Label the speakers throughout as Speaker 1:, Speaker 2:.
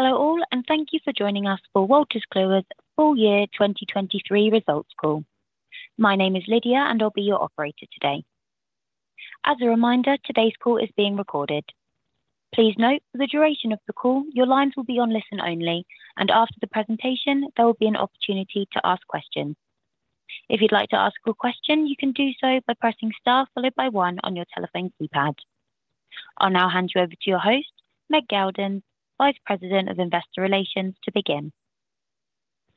Speaker 1: Hello all, and thank you for joining us for Wolters Kluwer's full year 2023 results call. My name is Lydia, and I'll be your operator today. As a reminder, today's call is being recorded. Please note, for the duration of the call, your lines will be on listen only, and after the presentation there will be an opportunity to ask questions. If you'd like to ask a question, you can do so by pressing star followed by one on your telephone keypad. I'll now hand you over to your host, Meg Geldens, Vice President of Investor Relations, to begin.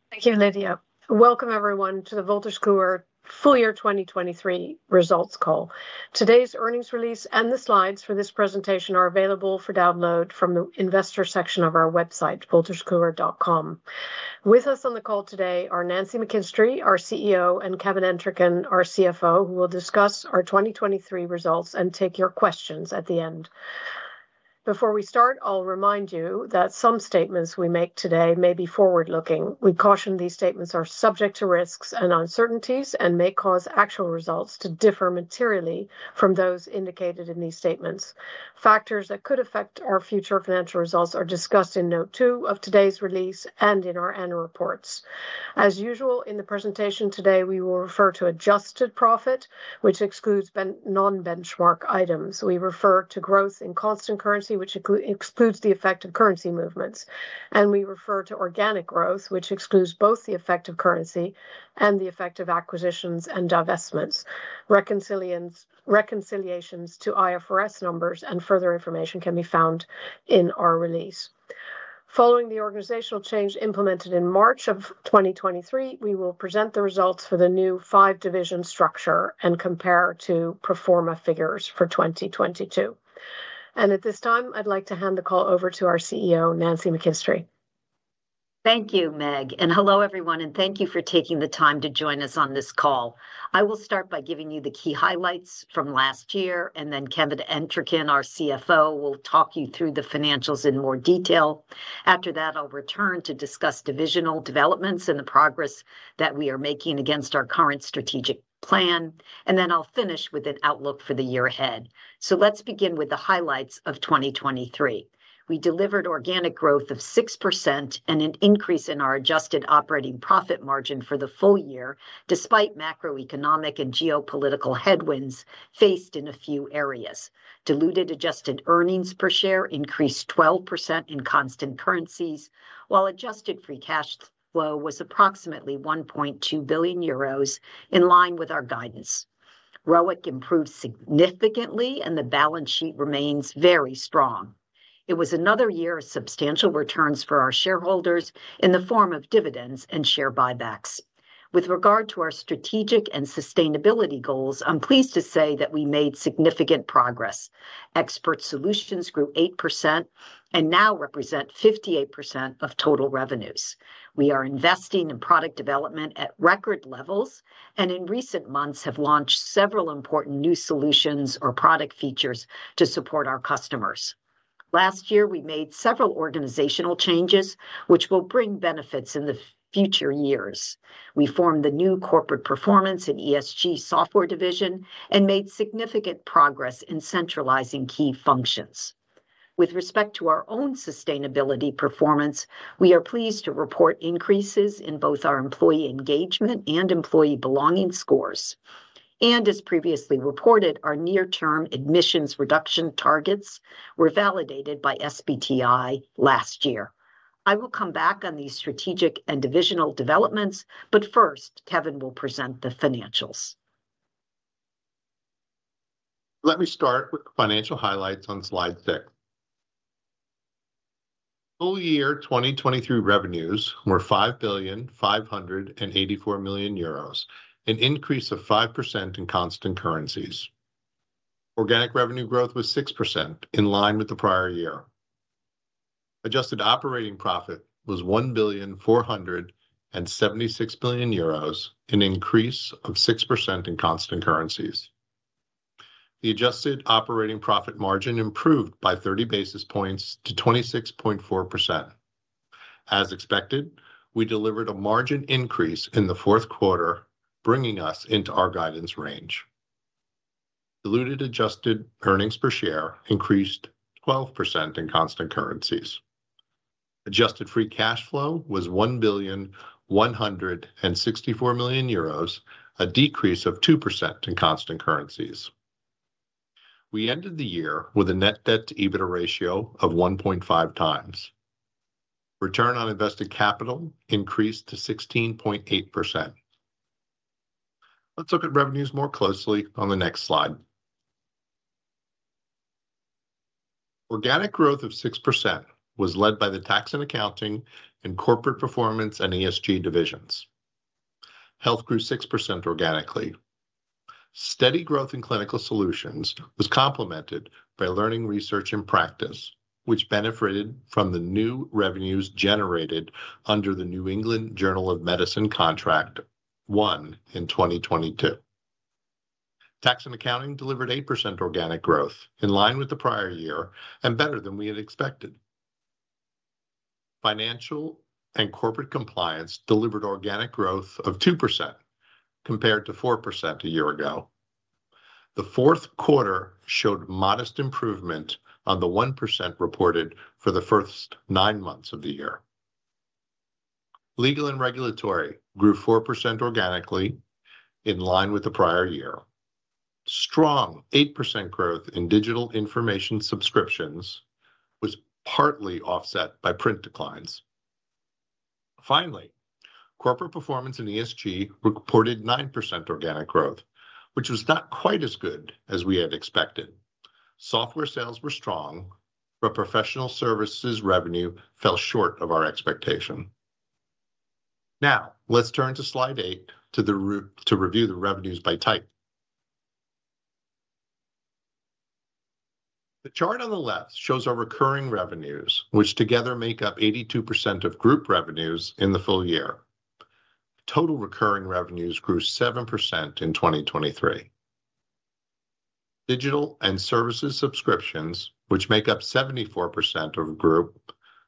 Speaker 2: Thank you, Lydia. Welcome everyone to the Wolters Kluwer full year 2023 results call. Today's earnings release and the slides for this presentation are available for download from the investor section of our website, WoltersKluwer.com. With us on the call today are Nancy McKinstry, our CEO, and Kevin Entricken, our CFO, who will discuss our 2023 results and take your questions at the end. Before we start, I'll remind you that some statements we make today may be forward-looking. We caution these statements are subject to risks and uncertainties and may cause actual results to differ materially from those indicated in these statements. Factors that could affect our future financial results are discussed in note 2 of today's release and in our annual reports. As usual, in the presentation today we will refer to adjusted profit, which excludes non-benchmark items. We refer to growth in constant currency, which excludes the effect of currency movements. We refer to organic growth, which excludes both the effect of currency and the effect of acquisitions and divestments. Reconciliations to IFRS numbers and further information can be found in our release. Following the organizational change implemented in March of 2023, we will present the results for the new five-division structure and compare to prior-year figures for 2022. At this time I'd like to hand the call over to our CEO, Nancy McKinstry.
Speaker 3: Thank you, Meg. Hello everyone, and thank you for taking the time to join us on this call. I will start by giving you the key highlights from last year, and then Kevin Entricken, our CFO, will talk you through the financials in more detail. After that I'll return to discuss divisional developments and the progress that we are making against our current strategic plan, and then I'll finish with an outlook for the year ahead. Let's begin with the highlights of 2023. We delivered organic growth of 6% and an increase in our adjusted operating profit margin for the full year despite macroeconomic and geopolitical headwinds faced in a few areas. Diluted adjusted earnings per share increased 12% in constant currencies, while adjusted free cash flow was approximately 1.2 billion euros, in line with our guidance. ROIC improved significantly, and the balance sheet remains very strong. It was another year of substantial returns for our shareholders in the form of dividends and share buybacks. With regard to our strategic and sustainability goals, I'm pleased to say that we made significant progress. Expert Solutions grew 8% and now represent 58% of total revenues. We are investing in product development at record levels and in recent months have launched several important new solutions or product features to support our customers. Last year we made several organizational changes, which will bring benefits in the future years. We formed the new Corporate Performance and ESG software division and made significant progress in centralizing key functions. With respect to our own sustainability performance, we are pleased to report increases in both our employee engagement and employee belonging scores. As previously reported, our near-term emissions reduction targets were validated by SBTi last year. I will come back on these strategic and divisional developments, but first Kevin will present the financials.
Speaker 4: Let me start with the financial highlights on slide six. Full year 2023 revenues were 5,584,000,000 euros, an increase of 5% in constant currencies. Organic revenue growth was 6%, in line with the prior year. Adjusted operating profit was 1,476,000,000 euros, an increase of 6% in constant currencies. The adjusted operating profit margin improved by 30 basis points to 26.4%. As expected, we delivered a margin increase in the fourth quarter, bringing us into our guidance range. Diluted adjusted earnings per share increased 12% in constant currencies. Adjusted free cash flow was 1,164,000,000 euros, a decrease of 2% in constant currencies. We ended the year with a net debt to EBITDA ratio of 1.5 times. Return on invested capital increased to 16.8%. Let's look at revenues more closely on the next slide. Organic growth of 6% was led by the Tax and Accounting and Corporate Performance and ESG divisions. Health grew 6% organically. Steady growth in Clinical Solutions was complemented by Learning, Research and Practice, which benefited from the new revenues generated under the New England Journal of Medicine contract won in 2022. Tax and accounting delivered 8% organic growth, in line with the prior year and better than we had expected. Financial and corporate compliance delivered organic growth of 2%, compared to 4% a year ago. The fourth quarter showed modest improvement on the 1% reported for the first nine months of the year. Legal and regulatory grew 4% organically, in line with the prior year. Strong 8% growth in digital information subscriptions was partly offset by print declines. Finally, Corporate Performance and ESG reported 9% organic growth, which was not quite as good as we had expected. Software sales were strong, but professional services revenue fell short of our expectation. Now let's turn to slide eight to review the revenues by type. The chart on the left shows our recurring revenues, which together make up 82% of group revenues in the full year. Total recurring revenues grew 7% in 2023. Digital and services subscriptions, which make up 74% of group,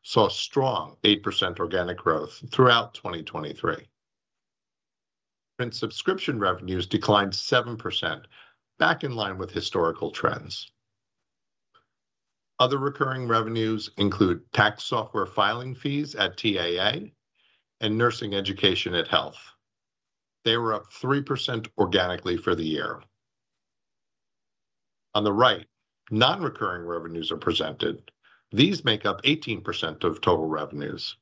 Speaker 4: saw strong 8% organic growth throughout 2023. Print subscription revenues declined 7%, back in line with historical trends. Other recurring revenues include tax software filing fees at TAA and nursing education at health. They were up 3% organically for the year. On the right, non-recurring revenues are presented. These make up 18% of total revenues.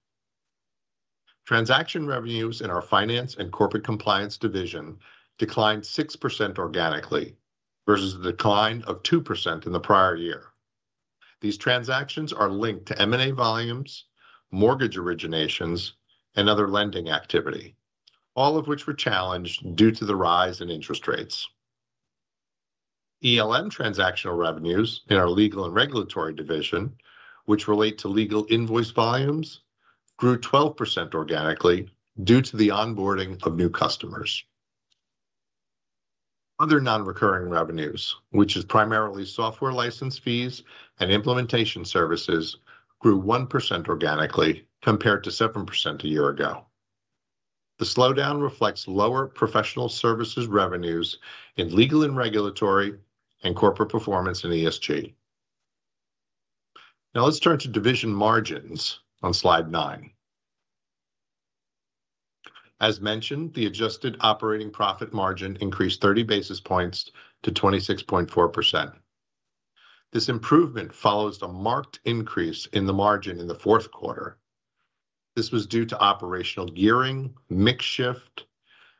Speaker 4: Transaction revenues in our finance and corporate compliance division declined 6% organically versus the decline of 2% in the prior year. These transactions are linked to M&A volumes, mortgage originations, and other lending activity, all of which were challenged due to the rise in interest rates. ELM transactional revenues in our legal and regulatory division, which relate to legal invoice volumes, grew 12% organically due to the onboarding of new customers. Other non-recurring revenues, which is primarily software license fees and implementation services, grew 1% organically compared to 7% a year ago. The slowdown reflects lower professional services revenues in legal and regulatory and Corporate Performance and ESG. Now let's turn to division margins on slide nine. As mentioned, the adjusted operating profit margin increased 30 basis points to 26.4%. This improvement follows a marked increase in the margin in the fourth quarter. This was due to operational gearing, mix shift,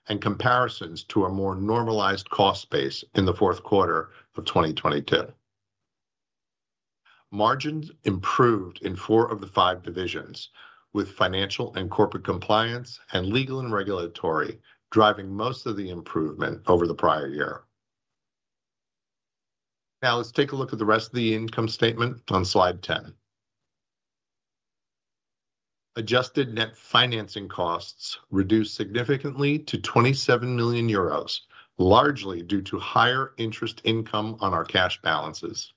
Speaker 4: and comparisons to a more normalized cost base in the fourth quarter of 2022. Margins improved in four of the five divisions, with Financial and Corporate Compliance and Legal and Regulatory driving most of the improvement over the prior year. Now let's take a look at the rest of the income statement on slide 10. Adjusted net financing costs reduced significantly to 27 million euros, largely due to higher interest income on our cash balances.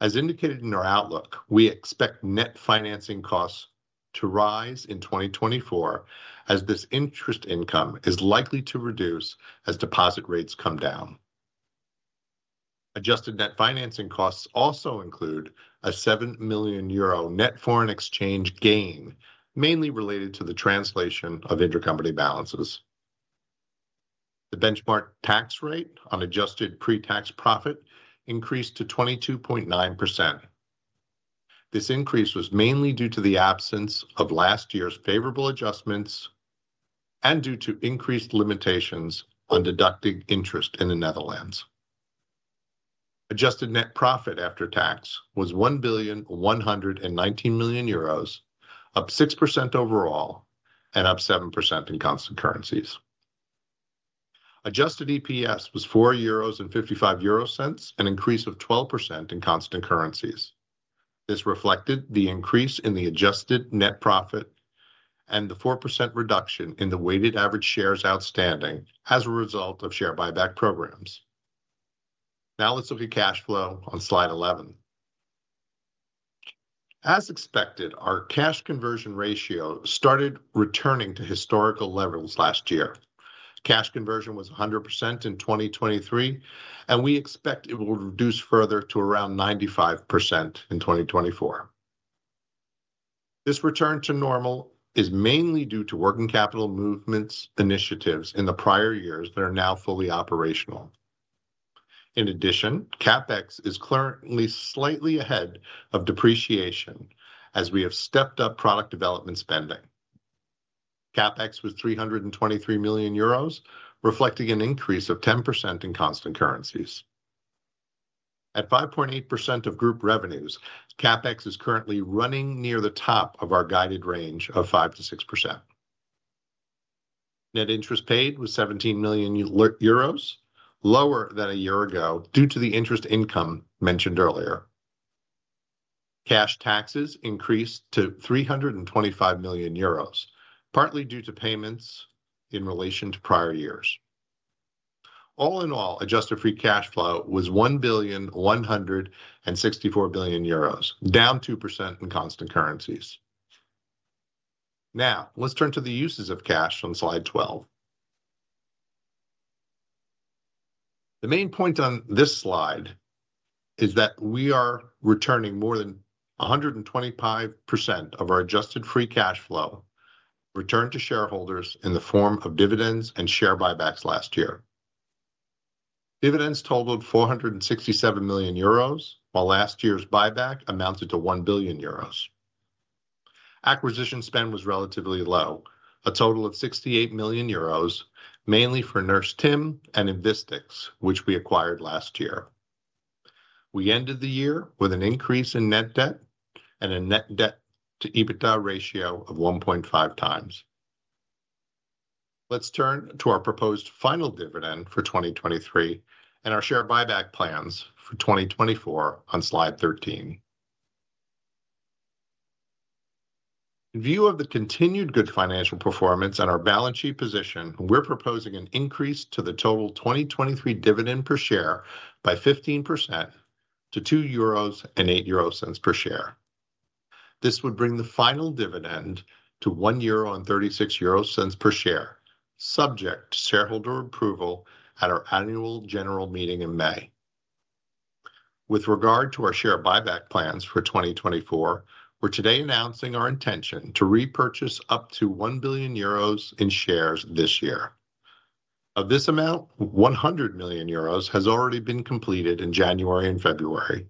Speaker 4: As indicated in our outlook, we expect net financing costs to rise in 2024, as this interest income is likely to reduce as deposit rates come down. Adjusted net financing costs also include a 7 million euro net foreign exchange gain, mainly related to the translation of intercompany balances. The benchmark tax rate on adjusted pre-tax profit increased to 22.9%. This increase was mainly due to the absence of last year's favorable adjustments and due to increased limitations on deducted interest in the Netherlands. Adjusted net profit after tax was 1,119,000,000 euros, up 6% overall and up 7% in constant currencies. Adjusted EPS was 4.55 euros, an increase of 12% in constant currencies. This reflected the increase in the adjusted net profit and the 4% reduction in the weighted average shares outstanding as a result of share buyback programs. Now let's look at cash flow on slide 11. As expected, our cash conversion ratio started returning to historical levels last year. Cash conversion was 100% in 2023, and we expect it will reduce further to around 95% in 2024. This return to normal is mainly due to working capital movements initiatives in the prior years that are now fully operational. In addition, CapEx is currently slightly ahead of depreciation as we have stepped up product development spending. CapEx was 323,000,000 euros, reflecting an increase of 10% in constant currencies. At 5.8% of group revenues, CapEx is currently running near the top of our guided range of 5%-6%. Net interest paid was 17,000,000 euros, lower than a year ago due to the interest income mentioned earlier. Cash taxes increased to 325,000,000 euros, partly due to payments in relation to prior years. All in all, adjusted free cash flow was 1,164,000,000 euros, down 2% in constant currencies. Now let's turn to the uses of cash on slide 12. The main point on this slide is that we are returning more than 125% of our adjusted free cash flow returned to shareholders in the form of dividends and share buybacks last year. Dividends totaled 467,000,000 euros, while last year's buyback amounted to 1,000,000,000 euros. Acquisition spend was relatively low, a total of 68,000,000 euros, mainly for NurseTim and Invistics, which we acquired last year. We ended the year with an increase in net debt and a net debt to EBITDA ratio of 1.5 times. Let's turn to our proposed final dividend for 2023 and our share buyback plans for 2024 on slide 13. In view of the continued good financial performance and our balance sheet position, we're proposing an increase to the total 2023 dividend per share by 15% to 2.08 euros per share. This would bring the final dividend to 1.36 euro per share, subject to shareholder approval at our annual general meeting in May. With regard to our share buyback plans for 2024, we're today announcing our intention to repurchase up to 1,000 million euros in shares this year. Of this amount, 100 million euros has already been completed in January and February.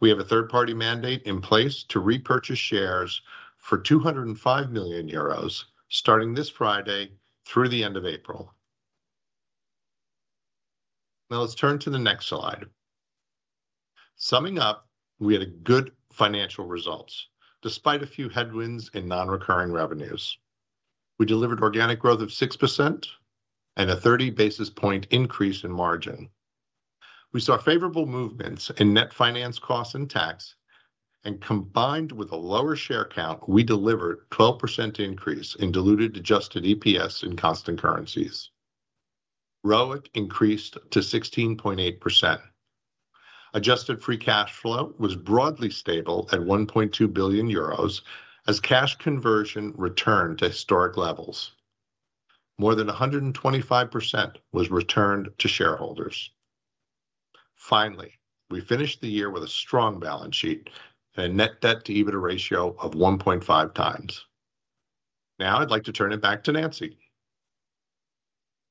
Speaker 4: We have a third-party mandate in place to repurchase shares for 205 million euros starting this Friday through the end of April. Now let's turn to the next slide. Summing up, we had good financial results despite a few headwinds in non-recurring revenues. We delivered organic growth of 6% and a 30 basis point increase in margin. We saw favorable movements in net finance costs and tax, and combined with a lower share count, we delivered a 12% increase in diluted adjusted EPS in constant currencies. ROIC increased to 16.8%. Adjusted free cash flow was broadly stable at one 1.2 billion as cash conversion returned to historic levels. More than 125% was returned to shareholders. Finally, we finished the year with a strong balance sheet and a net debt to EBITDA ratio of 1.5 times. Now I'd like to turn it back to Nancy.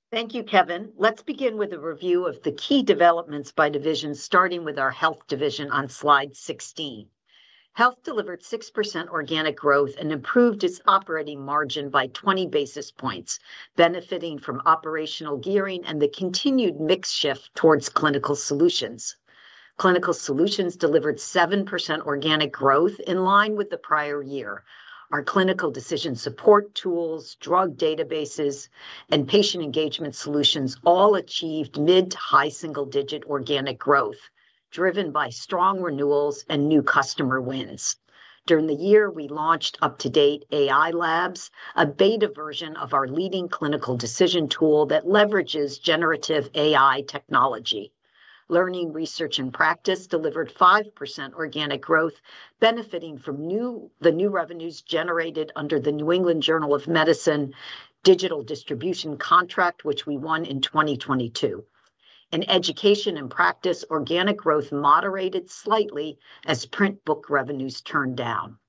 Speaker 3: Thank you, Kevin. Let's begin with a review of the key developments by division, starting with our Health division on slide 16. Health delivered 6% organic growth and improved its operating margin by 20 basis points, benefiting from operational gearing and the continued shift towards Clinical Solutions. Clinical Solutions delivered 7% organic growth in line with the prior year. Our clinical decision support tools, drug databases, and patient engagement solutions all achieved mid- to high-single-digit organic growth, driven by strong renewals and new customer wins. During the year, we launched UpToDate AI Labs, a beta version of our leading clinical decision tool that leverages generative AI technology. Learning, research, and practice delivered 5% organic growth, benefiting from the new revenues generated under the New England Journal of Medicine digital distribution contract, which we won in 2022. In education and practice, organic growth moderated slightly as print book revenues turned down.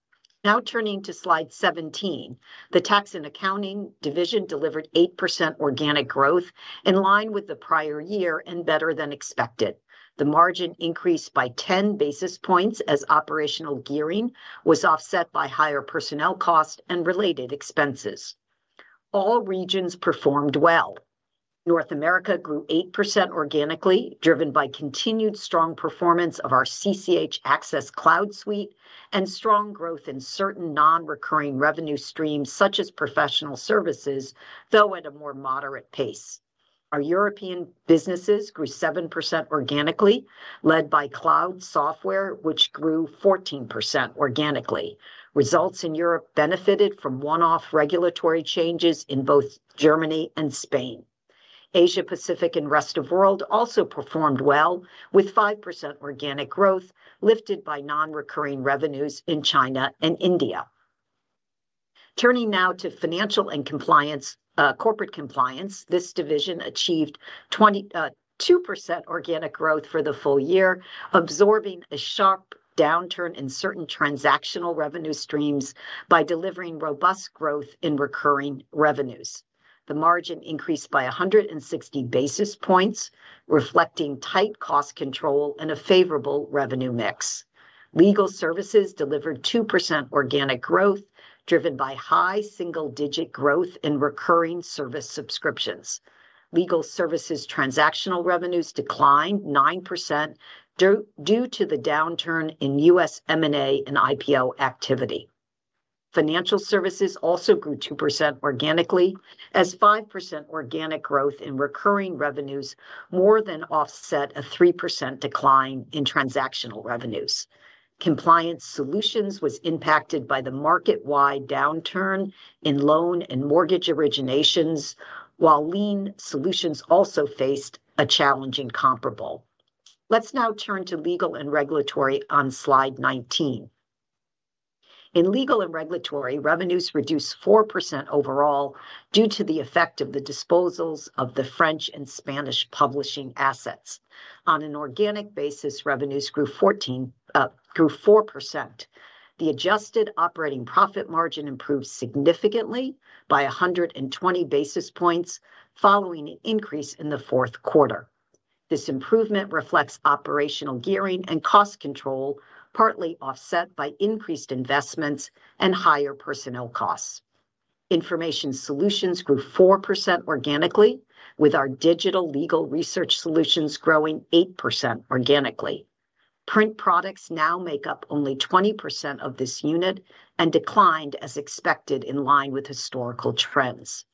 Speaker 3: Now turning to slide 17, the tax and accounting division delivered 8% organic growth in line with the prior year and better than expected. The margin increased by 10 basis points as operational gearing was offset by higher personnel costs and related expenses. All regions performed well. North America grew 8% organically, driven by continued strong performance of our CCH Axcess Cloud suite and strong growth in certain non-recurring revenue streams such as professional services, though at a more moderate pace. Our European businesses grew 7% organically, led by cloud software, which grew 14% organically. Results in Europe benefited from one-off regulatory changes in both Germany and Spain. Asia-Pacific and rest of the world also performed well, with 5% organic growth lifted by non-recurring revenues in China and India. Turning now to Financial and Corporate Compliance, this division achieved 2% organic growth for the full year, absorbing a sharp downturn in certain transactional revenue streams by delivering robust growth in recurring revenues. The margin increased by 160 basis points, reflecting tight cost control and a favorable revenue mix. Legal Services delivered 2% organic growth, driven by high single digit growth in recurring service subscriptions. Legal Services transactional revenues declined 9% due to the downturn in U.S. M&A and IPO activity. Financial Services also grew 2% organically, as 5% organic growth in recurring revenues more than offset a 3% decline in transactional revenues. Compliance Solutions were impacted by the market-wide downturn in loan and mortgage originations, while Lien Solutions also faced a challenging comparable. Let's now turn to Legal and Regulatory on slide 19. In Legal and Regulatory, revenues reduced 4% overall due to the effect of the disposals of the French and Spanish publishing assets. On an organic basis, revenues grew 4%. The adjusted operating profit margin improved significantly by 120 basis points following an increase in the fourth quarter. This improvement reflects operational gearing and cost control, partly offset by increased investments and higher personnel costs. Information Solutions grew 4% organically, with our digital legal research solutions growing 8% organically. Print products now make up only 20% of this unit and declined as expected in line with historical trends.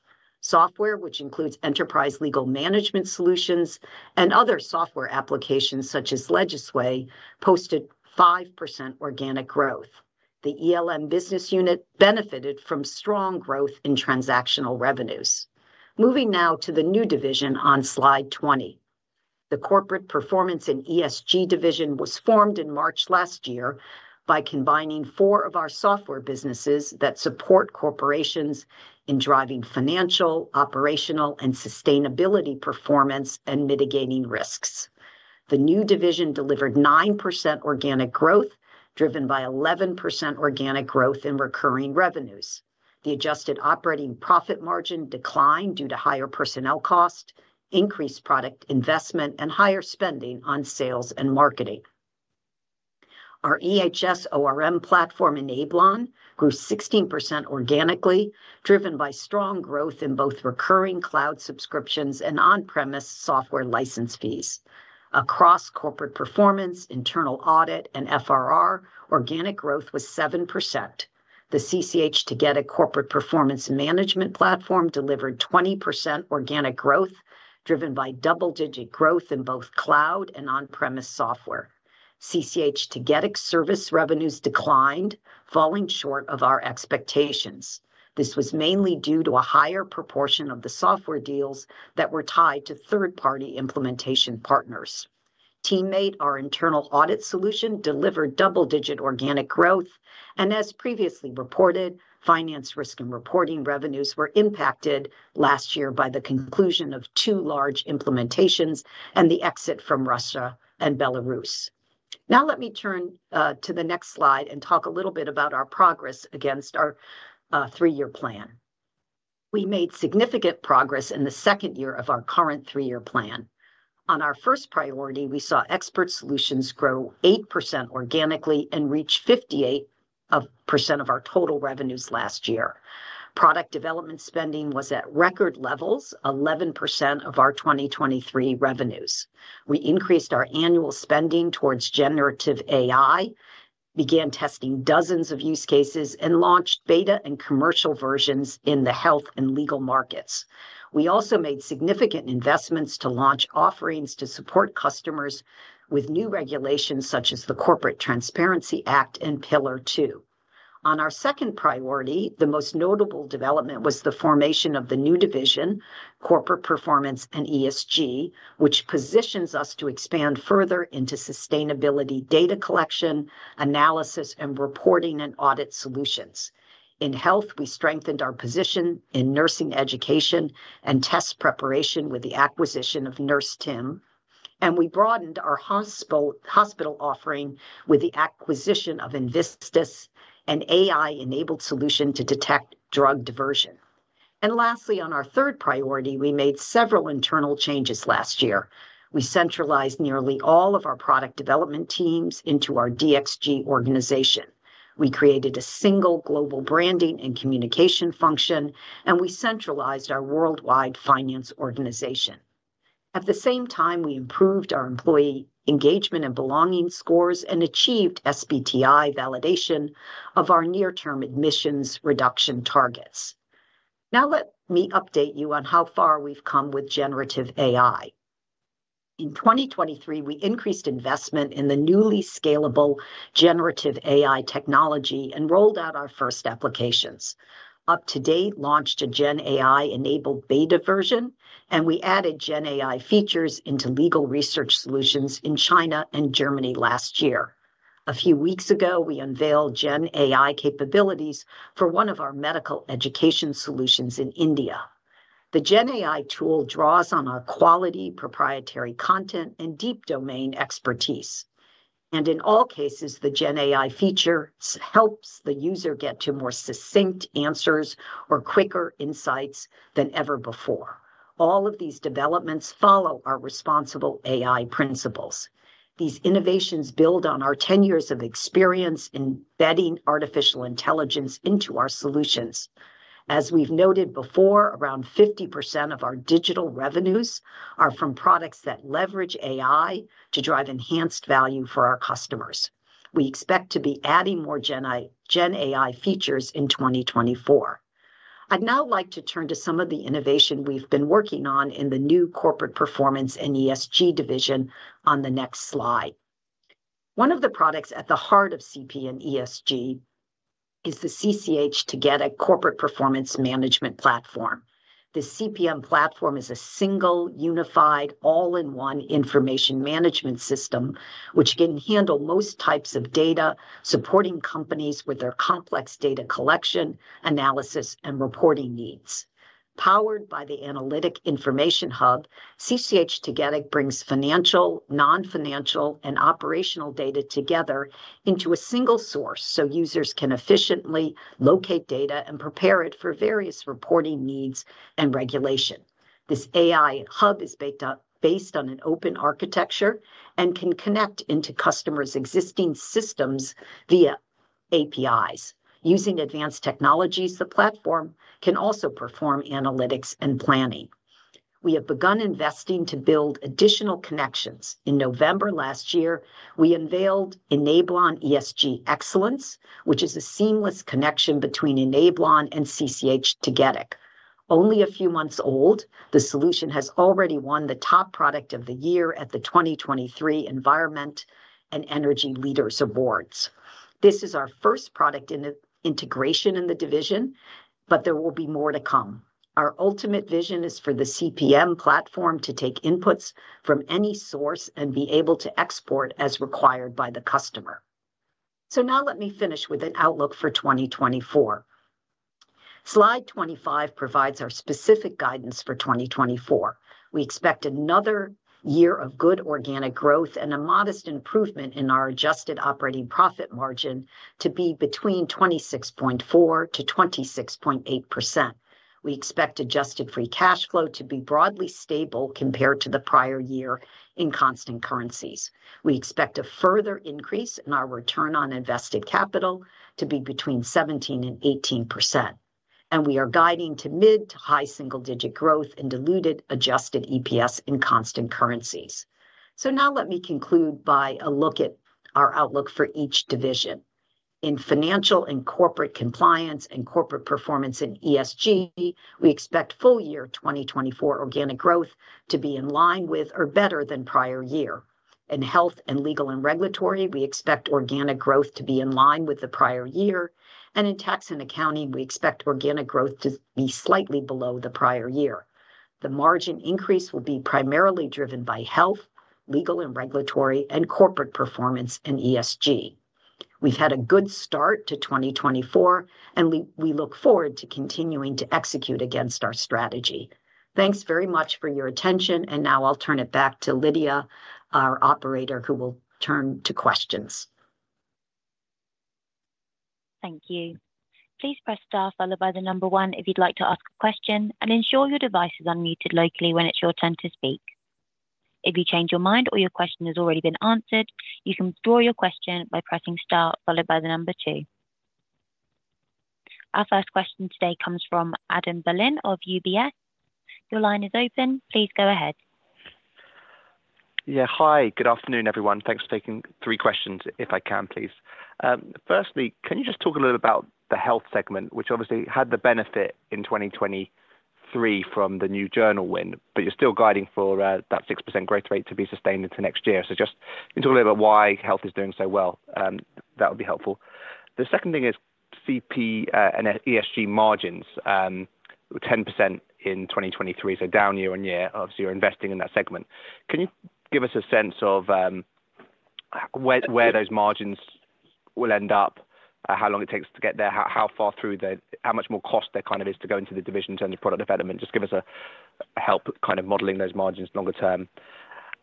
Speaker 3: Software, which includes enterprise legal management solutions and other software applications such as Legisway, posted 5% organic growth. The ELM business unit benefited from strong growth in transactional revenues. Moving now to the new division on slide 20. The Corporate Performance and ESG division was formed in March last year by combining four of our software businesses that support corporations in driving financial, operational, and sustainability performance and mitigating risks. The new division delivered 9% organic growth, driven by 11% organic growth in recurring revenues. The adjusted operating profit margin declined due to higher personnel costs, increased product investment, and higher spending on sales and marketing. Our Enablon EHS ORM platform grew 16% organically, driven by strong growth in both recurring cloud subscriptions and on-premise software license fees. Across Corporate Performance, Internal Audit, and FRR, organic growth was 7%. The CCH Tagetik Corporate Performance Management platform delivered 20% organic growth, driven by double-digit growth in both cloud and on-premise software. CCH Tagetik service revenues declined, falling short of our expectations. This was mainly due to a higher proportion of the software deals that were tied to third-party implementation partners. TeamMate, our Internal Audit solution, delivered double digit organic growth, and as previously reported, Finance, Risk and Reporting revenues were impacted last year by the conclusion of two large implementations and the exit from Russia and Belarus. Now let me turn to the next slide and talk a little bit about our progress against our three-year plan. We made significant progress in the second year of our current three-year plan. On our first priority, we saw Expert Solutions grow 8% organically and reach 58% of our total revenues last year. Product development spending was at record levels, 11% of our 2023 revenues. We increased our annual spending towards Generative AI, began testing dozens of use cases, and launched beta and commercial versions in the health and legal markets. We also made significant investments to launch offerings to support customers with new regulations such as the Corporate Transparency Act and Pillar Two. On our second priority, the most notable development was the formation of the new division, Corporate Performance and ESG, which positions us to expand further into sustainability data collection, analysis, and reporting and audit solutions. In health, we strengthened our position in nursing education and test preparation with the acquisition of NurseTim, and we broadened our hospital offering with the acquisition of Invistics, an AI-enabled solution to detect Drug Diversion. And lastly, on our third priority, we made several internal changes last year. We centralized nearly all of our product development teams into our DXG organization. We created a single global branding and communication function, and we centralized our worldwide finance organization. At the same time, we improved our employee engagement and belonging scores and achieved SBTi validation of our near-term emissions reduction targets. Now let me update you on how far we've come with generative AI. In 2023, we increased investment in the newly scalable generative AI technology and rolled out our first applications. UpToDate, we launched a GenAI-enabled beta version, and we added GenAI features into legal research solutions in China and Germany last year. A few weeks ago, we unveiled GenAI capabilities for one of our medical education solutions in India. The GenAI tool draws on our quality, proprietary content, and deep domain expertise. And in all cases, the GenAI feature helps the user get to more succinct answers or quicker insights than ever before. All of these developments follow our responsible AI principles. These innovations build on our 10 years of experience embedding artificial intelligence into our solutions. As we've noted before, around 50% of our digital revenues are from products that leverage AI to drive enhanced value for our customers. We expect to be adding more GenAI features in 2024. I'd now like to turn to some of the innovation we've been working on in the new Corporate Performance and ESG division on the next slide. One of the products at the heart of CPM ESG is the CCH Tagetik Corporate Performance Management platform. The CPM platform is a single, unified, all-in-one information management system which can handle most types of data, supporting companies with their complex data collection, analysis, and reporting needs. Powered by the analytic information hub, CCH Tagetik brings financial, non-financial, and operational data together into a single source so users can efficiently locate data and prepare it for various reporting needs and regulation. This AI hub is based on an open architecture and can connect into customers' existing systems via APIs. Using advanced technologies, the platform can also perform analytics and planning. We have begun investing to build additional connections. In November last year, we unveiled Enablon ESG Excellence, which is a seamless connection between Enablon and CCH Tagetik. Only a few months old, the solution has already won the Top Product of the Year at the 2023 Environment and Energy Leaders Awards. This is our first product integration in the division, but there will be more to come. Our ultimate vision is for the CPM platform to take inputs from any source and be able to export as required by the customer. So now let me finish with an outlook for 2024. Slide 25 provides our specific guidance for 2024. We expect another year of good organic growth and a modest improvement in our adjusted operating profit margin to be between 26.4%-26.8%. We expect adjusted free cash flow to be broadly stable compared to the prior year in constant currencies. We expect a further increase in our return on invested capital to be between 17%-18%. And we are guiding to mid to high single digit growth in diluted adjusted EPS in constant currencies. So now let me conclude by a look at our outlook for each division. In Financial and Corporate Compliance and Corporate Performance and ESG, we expect full year 2024 organic growth to be in line with or better than prior year. In health and legal and regulatory, we expect organic growth to be in line with the prior year. In tax and accounting, we expect organic growth to be slightly below the prior year. The margin increase will be primarily driven by health, legal and regulatory, and Corporate Performance and ESG. We've had a good start to 2024, and we look forward to continuing to execute against our strategy. Thanks very much for your attention, and now I'll turn it back to Lydia, our operator, who will turn to questions.
Speaker 1: Thank you. Please press Start followed by the number one if you'd like to ask a question, and ensure your device is unmuted locally when it's your turn to speak. If you change your mind or your question has already been answered, you can withdraw your question by pressing star followed by the number two. Our first question today comes from Adam Berlin of UBS. Your line is open. Please go ahead.
Speaker 5: Yeah, hi. Good afternoon, everyone. Thanks for taking three questions, if I can, please. Firstly, can you just talk a little bit about the health segment, which obviously had the benefit in 2023 from the new journal win, but you're still guiding for that 6% growth rate to be sustained into next year. So just can you talk a little bit about why health is doing so well? That would be helpful. The second thing is CP and ESG margins, 10% in 2023, so down year-on-year. Obviously, you're investing in that segment. Can you give us a sense of where those margins will end up, how long it takes to get there, how far through the how much more cost there kind of is to go into the divisions and the product development? Just give us a help kind of modelling those margins longer term.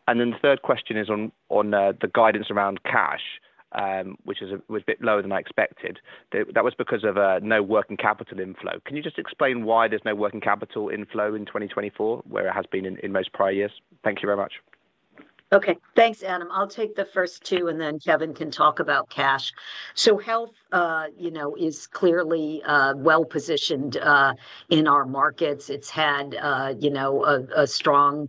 Speaker 5: And then the third question is on the guidance around cash, which was a bit lower than I expected. That was because of no working capital inflow. Can you just explain why there's no working capital inflow in 2024, where it has been in most prior years? Thank you very much.
Speaker 3: Okay. Thanks, Adam. I'll take the first two, and then Kevin can talk about cash. So Health is clearly well-positioned in our markets. It's had a strong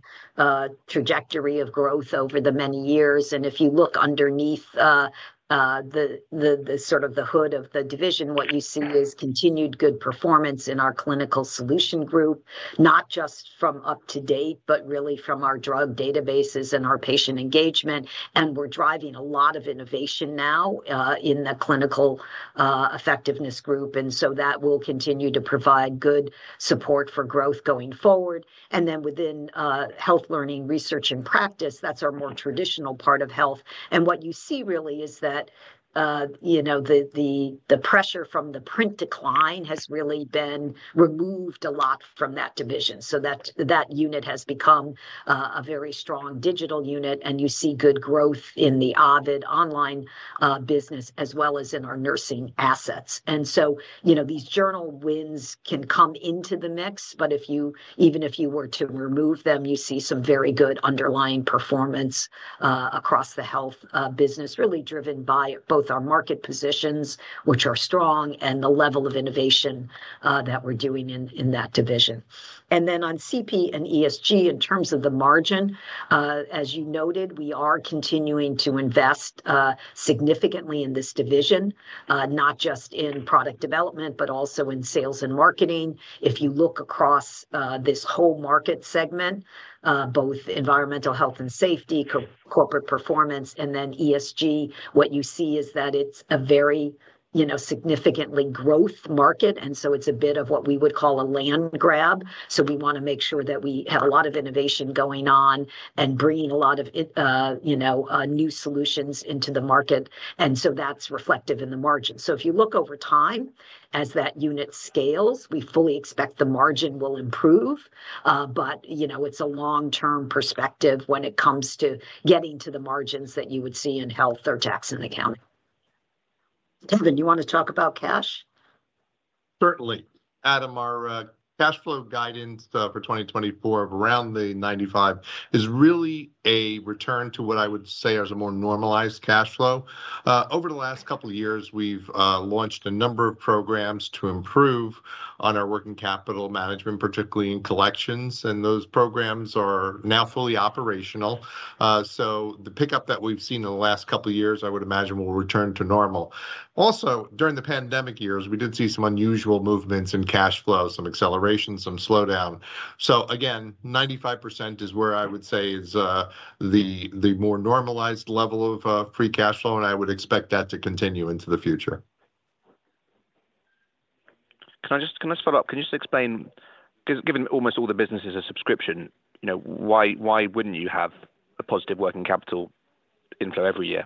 Speaker 3: trajectory of growth over the many years. And if you look underneath the sort of the hood of the division, what you see is continued good performance in our Clinical Solution group, not just from UpToDate, but really from our drug databases and our patient engagement. And we're driving a lot of innovation now in the clinical effectiveness group, and so that will continue to provide good support for growth going forward. And then within health learning, research, and practice, that's our more traditional part of health. And what you see really is that the pressure from the print decline has really been removed a lot from that division. So that unit has become a very strong digital unit, and you see good growth in the Ovid online business as well as in our nursing assets. And so these journal wins can come into the mix, but even if you were to remove them, you see some very good underlying performance across the health business, really driven by both our market positions, which are strong, and the level of innovation that we're doing in that division. And then on CP and ESG, in terms of the margin, as you noted, we are continuing to invest significantly in this division, not just in product development, but also in sales and marketing. If you look across this whole market segment, both environmental health and safety, Corporate Performance, and then ESG, what you see is that it's a very significantly growth market, and so it's a bit of what we would call a land grab. So we want to make sure that we have a lot of innovation going on and bring a lot of new solutions into the market, and so that's reflective in the margin. So if you look over time as that unit scales, we fully expect the margin will improve, but it's a long-term perspective when it comes to getting to the margins that you would see in health or tax and accounting. Kevin, do you want to talk about cash?
Speaker 4: Certainly. Adam, our cash flow guidance for 2024 of around 95% is really a return to what I would say is a more normalized cash flow. Over the last couple of years, we've launched a number of programs to improve on our working capital management, particularly in collections, and those programs are now fully operational. So the pickup that we've seen in the last couple of years, I would imagine, will return to normal. Also, during the pandemic years, we did see some unusual movements in cash flow, some acceleration, some slowdown. So again, 95% is where I would say is the more normalized level of free cash flow, and I would expect that to continue into the future.
Speaker 5: Can I just follow up? Can you just explain, given almost all the businesses are subscription, why wouldn't you have a positive working capital inflow every year?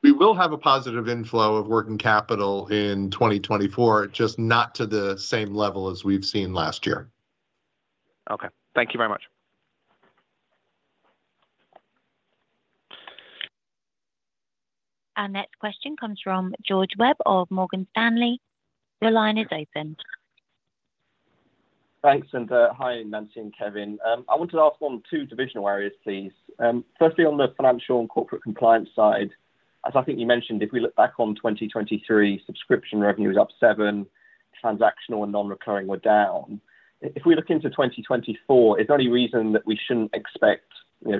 Speaker 4: We will have a positive inflow of working capital in 2024, just not to the same level as we've seen last year.
Speaker 2: Okay. Thank you very much.
Speaker 1: Our next question comes from George Webb of Morgan Stanley. Your line is open.
Speaker 6: Thanks, and hi, Nancy and Kevin. I wanted to ask on two divisional areas, please. Firstly, on the Financial and Corporate Compliance side, as I think you mentioned, if we look back on 2023, subscription revenue was up 7%, transactional and non-recurring were down. If we look into 2024, is there any reason that we shouldn't expect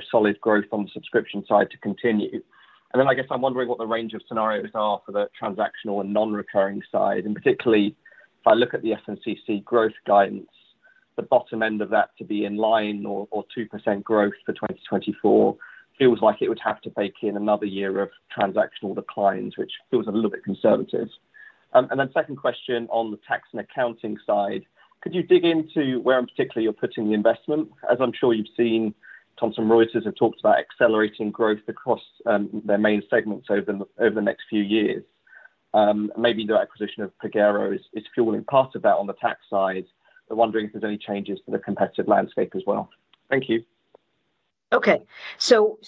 Speaker 6: solid growth on the subscription side to continue? And then I guess I'm wondering what the range of scenarios are for the transactional and non-recurring side. And particularly, if I look at the FNCC growth guidance, the bottom end of that to be in line or 2% growth for 2024 feels like it would have to bake in another year of transactional declines, which feels a little bit conservative. And then second question, on the tax and accounting side, could you dig into where in particular you're putting the investment? As I'm sure you've seen, Thomson Reuters have talked about accelerating growth across their main segments over the next few years. Maybe the acquisition of Pagero is fueling part of that on the tax side, but wondering if there's any changes to the competitive landscape as well? Thank you.
Speaker 3: Okay. So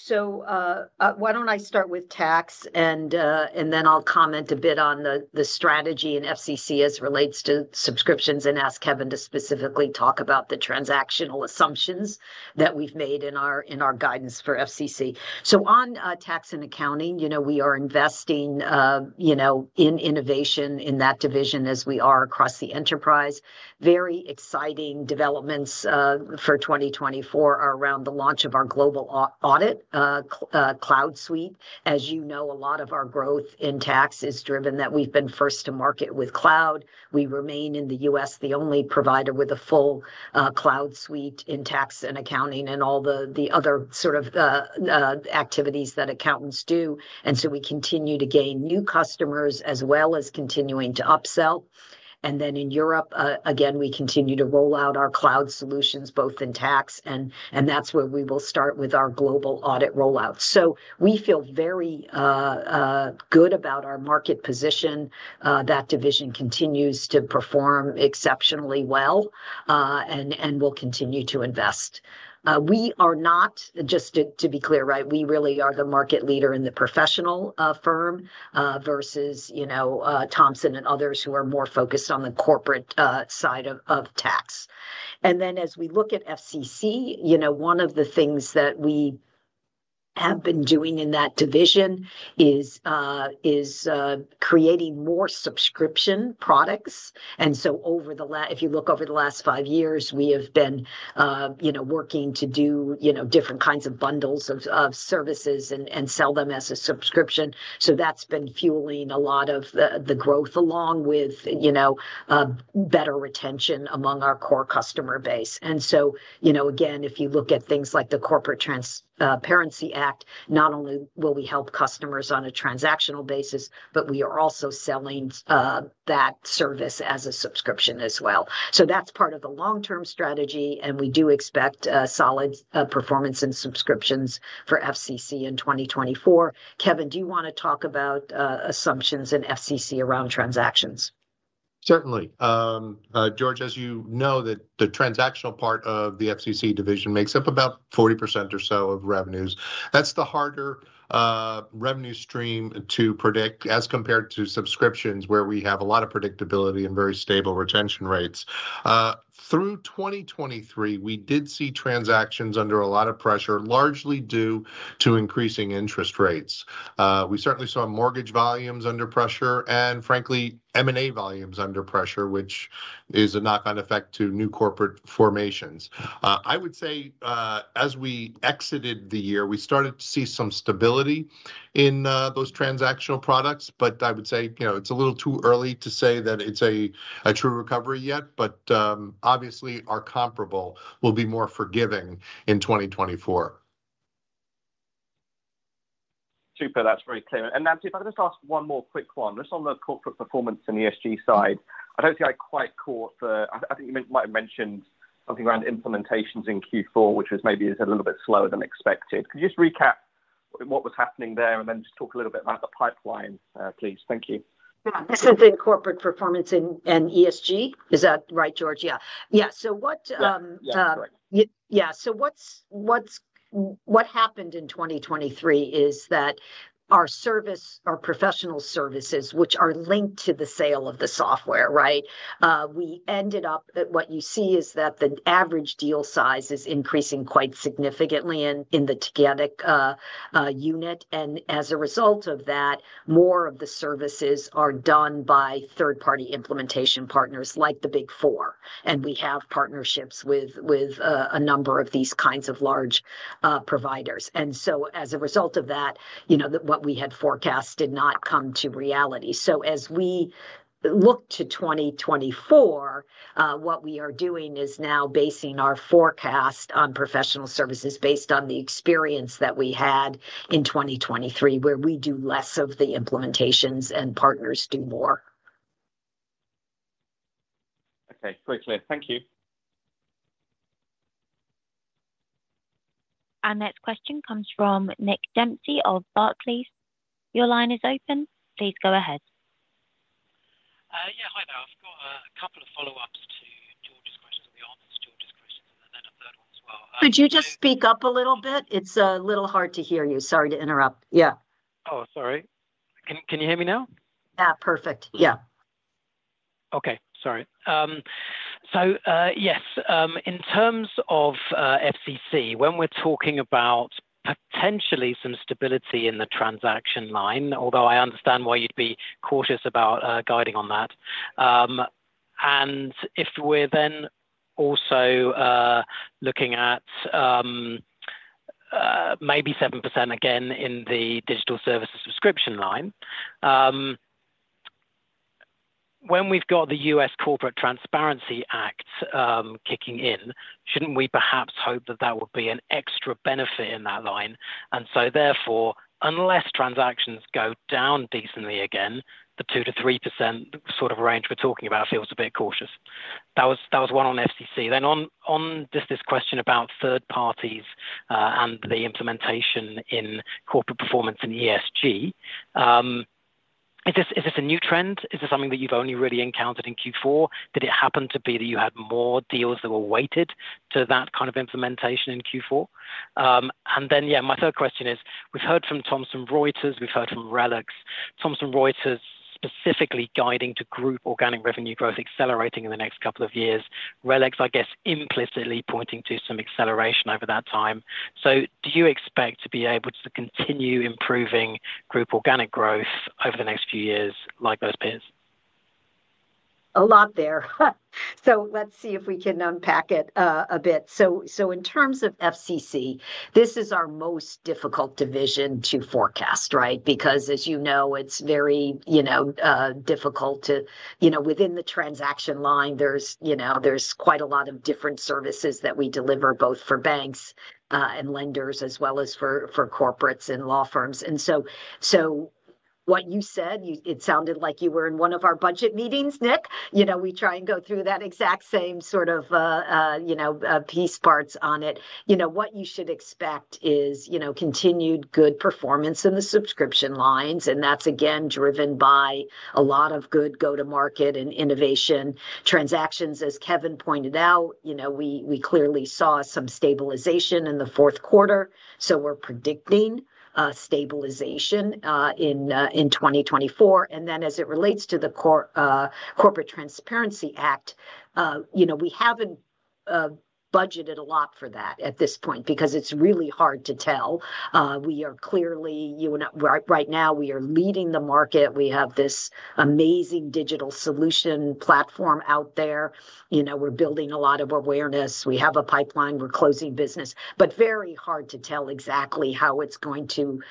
Speaker 3: why don't I start with tax, and then I'll comment a bit on the strategy in FCC as it relates to subscriptions, and ask Kevin to specifically talk about the transactional assumptions that we've made in our guidance for FCC. So on tax and accounting, we are investing in innovation in that division as we are across the enterprise. Very exciting developments for 2024 are around the launch of our global audit cloud suite. As you know, a lot of our growth in tax is driven that we've been first to market with cloud. We remain in the U.S. the only provider with a full cloud suite in tax and accounting and all the other sort of activities that accountants do. And so we continue to gain new customers as well as continuing to upsell. And then in Europe, again, we continue to roll out our cloud solutions both in tax, and that's where we will start with our global audit rollout. So we feel very good about our market position. That division continues to perform exceptionally well, and we'll continue to invest. We are not, just to be clear, right, we really are the market leader in the professional firm versus Thomson and others who are more focused on the corporate side of tax. And then as we look at FCC, one of the things that we have been doing in that division is creating more subscription products. And so over the last if you look over the last five years, we have been working to do different kinds of bundles of services and sell them as a subscription. So that's been fueling a lot of the growth along with better retention among our core customer base. And so again, if you look at things like the Corporate Transparency Act, not only will we help customers on a transactional basis, but we are also selling that service as a subscription as well. So that's part of the long-term strategy, and we do expect solid performance in subscriptions for FCC in 2024. Kevin, do you want to talk about assumptions in FCC around transactions?
Speaker 4: Certainly. George, as you know, the transactional part of the FCC division makes up about 40% or so of revenues. That's the harder revenue stream to predict as compared to subscriptions where we have a lot of predictability and very stable retention rates. Through 2023, we did see transactions under a lot of pressure, largely due to increasing interest rates. We certainly saw mortgage volumes under pressure and, frankly, M&A volumes under pressure, which is a knock-on effect to new corporate formations. I would say as we exited the year, we started to see some stability in those transactional products, but I would say it's a little too early to say that it's a true recovery yet. But obviously, our comparable will be more forgiving in 2024.
Speaker 6: Super. That's very clear. And Nancy, if I could just ask one more quick one, just on the Corporate Performance and ESG side, I don't think I quite caught. I think you might have mentioned something around implementations in Q4, which was maybe a little bit slower than expected. Could you just recap what was happening there and then just talk a little bit about the pipeline, please? Thank you.
Speaker 3: Yeah. This is in Corporate Performance and ESG. Is that right, George? Yeah. Yeah. So what happened in 2023 is that our service, our professional services, which are linked to the sale of the software, right, we ended up at what you see is that the average deal size is increasing quite significantly in the Tagetik unit. And as a result of that, more of the services are done by third-party implementation partners like the Big Four. And we have partnerships with a number of these kinds of large providers. And so as a result of that, what we had forecast did not come to reality. So as we look to 2024, what we are doing is now basing our forecast on professional services based on the experience that we had in 2023, where we do less of the implementations and partners do more.
Speaker 6: Okay. Very clear. Thank you.
Speaker 1: Our next question comes from Nick Dempsey of Barclays. Your line is open. Please go ahead.
Speaker 7: Yeah. Hi there. I've got a couple of follow-ups to George's questions, or the answers to George's questions, and then a third one as well.
Speaker 3: Could you just speak up a little bit? It's a little hard to hear you. Sorry to interrupt. Yeah.
Speaker 7: Oh, sorry. Can you hear me now?
Speaker 3: Yeah. Perfect. Yeah.
Speaker 7: Okay. Sorry. So yes, in terms of FCC, when we're talking about potentially some stability in the transaction line, although I understand why you'd be cautious about guiding on that, and if we're then also looking at maybe 7% again in the digital services subscription line, when we've got the U.S. Corporate Transparency Act kicking in, shouldn't we perhaps hope that that would be an extra benefit in that line? And so therefore, unless transactions go down decently again, the 2%-3% sort of range we're talking about feels a bit cautious. That was one on FCC. Then just this question about third parties and the implementation in Corporate Performance and ESG. Is this a new trend? Is this something that you've only really encountered in Q4? Did it happen to be that you had more deals that were weighted to that kind of implementation in Q4? And then, yeah, my third question is, we've heard from Thomson Reuters. We've heard from RELX. Thomson Reuters specifically guiding to group organic revenue growth accelerating in the next couple of years. RELX, I guess, implicitly pointing to some acceleration over that time. So do you expect to be able to continue improving group organic growth over the next few years like those peers?
Speaker 3: A lot there. So let's see if we can unpack it a bit. So in terms of FCC, this is our most difficult division to forecast, right, because as you know, it's very difficult to within the transaction line, there's quite a lot of different services that we deliver both for banks and lenders as well as for corporates and law firms. And so what you said, it sounded like you were in one of our budget meetings, Nick. We try and go through that exact same sort of piece parts on it. What you should expect is continued good performance in the subscription lines, and that's, again, driven by a lot of good go-to-market and innovation. Transactions, as Kevin pointed out, we clearly saw some stabilization in the fourth quarter, so we're predicting stabilization in 2024. Then as it relates to the Corporate Transparency Act, we haven't budgeted a lot for that at this point because it's really hard to tell. We are clearly right now, we are leading the market. We have this amazing digital solution platform out there. We're building a lot of awareness. We have a pipeline. We're closing business. But very hard to tell exactly how it's going to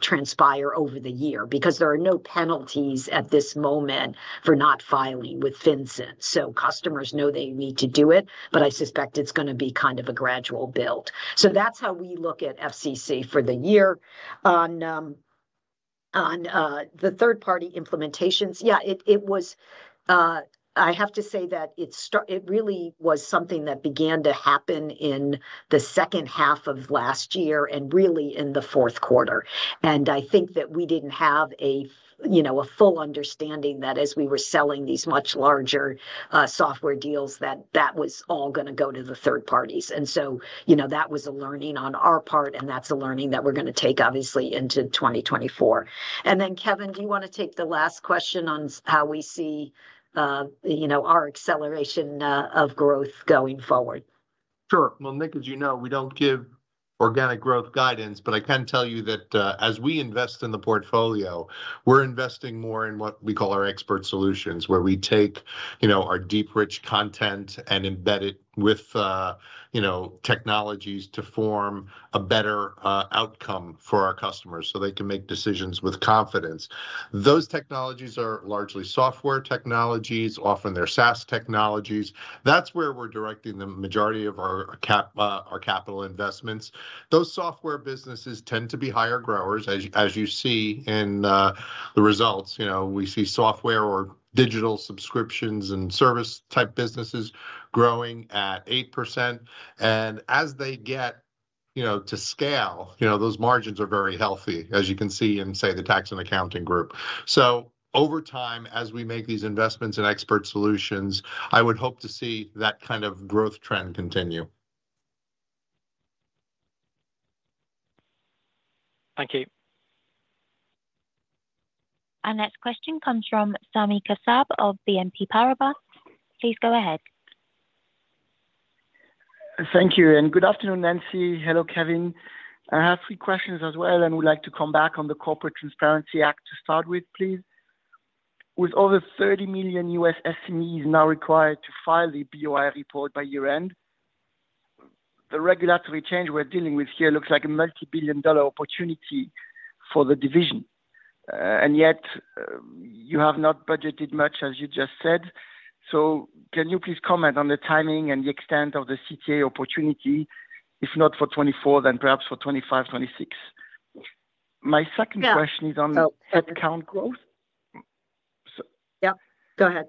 Speaker 3: transpire over the year because there are no penalties at this moment for not filing with FinCEN. So customers know they need to do it, but I suspect it's going to be kind of a gradual build. So that's how we look at CTA for the year. On the third-party implementations, yeah, it was I have to say that it really was something that began to happen in the second half of last year and really in the fourth quarter. I think that we didn't have a full understanding that as we were selling these much larger software deals, that that was all going to go to the third parties. And so that was a learning on our part, and that's a learning that we're going to take, obviously, into 2024. And then, Kevin, do you want to take the last question on how we see our acceleration of growth going forward?
Speaker 4: Sure. Well, Nick, as you know, we don't give organic growth guidance, but I can tell you that as we invest in the portfolio, we're investing more in what we call our Expert Solutions, where we take our deep, rich content and embed it with technologies to form a better outcome for our customers so they can make decisions with confidence. Those technologies are largely software technologies. Often, they're SaaS technologies. That's where we're directing the majority of our capital investments. Those software businesses tend to be higher growers, as you see in the results. We see software or digital subscriptions and service-type businesses growing at 8%. As they get to scale, those margins are very healthy, as you can see in, say, the tax and accounting group. Over time, as we make these investments in Expert Solutions, I would hope to see that kind of growth trend continue.
Speaker 8: Thank you.
Speaker 1: Our next question comes from Sami Kassab of BNP Paribas. Please go ahead.
Speaker 9: Thank you. Good afternoon, Nancy. Hello, Kevin. I have three questions as well, and we'd like to come back on the Corporate Transparency Act to start with, please. With over 30 million U.S. SMEs now required to file the BOI report by year-end, the regulatory change we're dealing with here looks like a multi-billion-dollar opportunity for the division. Yet, you have not budgeted much, as you just said. So can you please comment on the timing and the extent of the CTA opportunity? If not for 2024, then perhaps for 2025, 2026. My second question is on headcount growth.
Speaker 3: Yeah. Go ahead.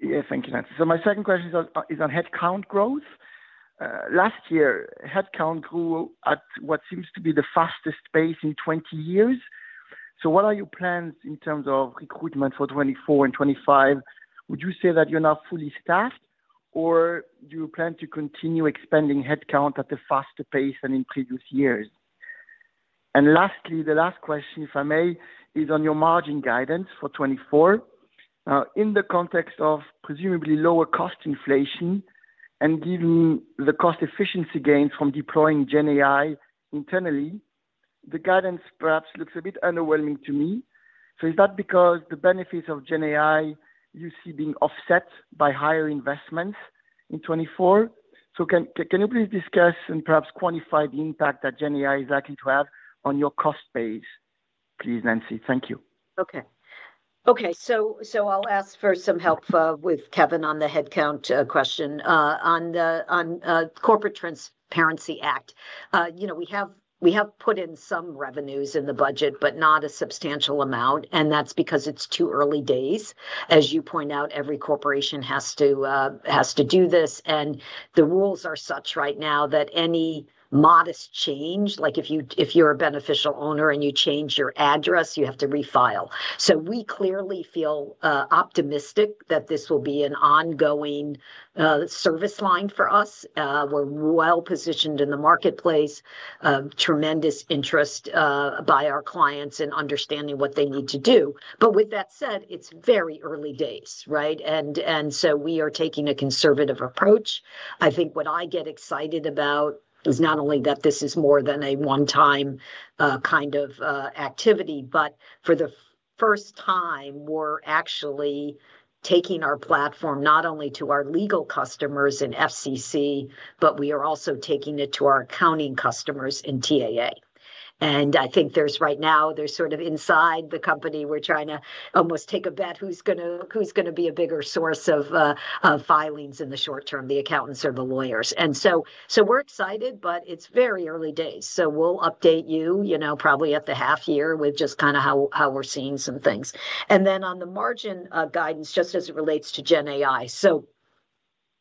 Speaker 9: Yeah. Thank you, Nancy. So my second question is on headcount growth. Last year, headcount grew at what seems to be the fastest pace in 20 years. So what are your plans in terms of recruitment for 2024 and 2025? Would you say that you're now fully staffed, or do you plan to continue expanding headcount at the faster pace than in previous years? And lastly, the last question, if I may, is on your margin guidance for 2024. Now, in the context of presumably lower cost inflation and given the cost efficiency gains from deploying GenAI internally, the guidance perhaps looks a bit underwhelming to me. So is that because the benefits of GenAI you see being offset by higher investments in 2024? So can you please discuss and perhaps quantify the impact that GenAI is likely to have on your cost base, please, Nancy? Thank you.
Speaker 3: Okay. Okay. So I'll ask for some help with Kevin on the headcount question. On the Corporate Transparency Act, we have put in some revenues in the budget, but not a substantial amount. And that's because it's too early days. As you point out, every corporation has to do this. And the rules are such right now that any modest change, like if you're a beneficial owner and you change your address, you have to refile. So we clearly feel optimistic that this will be an ongoing service line for us. We're well-positioned in the marketplace, tremendous interest by our clients in understanding what they need to do. But with that said, it's very early days, right? And so we are taking a conservative approach. I think what I get excited about is not only that this is more than a one-time kind of activity, but for the first time, we're actually taking our platform not only to our legal customers in FCC, but we are also taking it to our accounting customers in TAA. And I think right now, sort of inside the company, we're trying to almost take a bet who's going to be a bigger source of filings in the short term, the accountants or the lawyers. And so we're excited, but it's very early days. So we'll update you probably at the half-year with just kind of how we're seeing some things. And then on the margin guidance, just as it relates to GenAI. So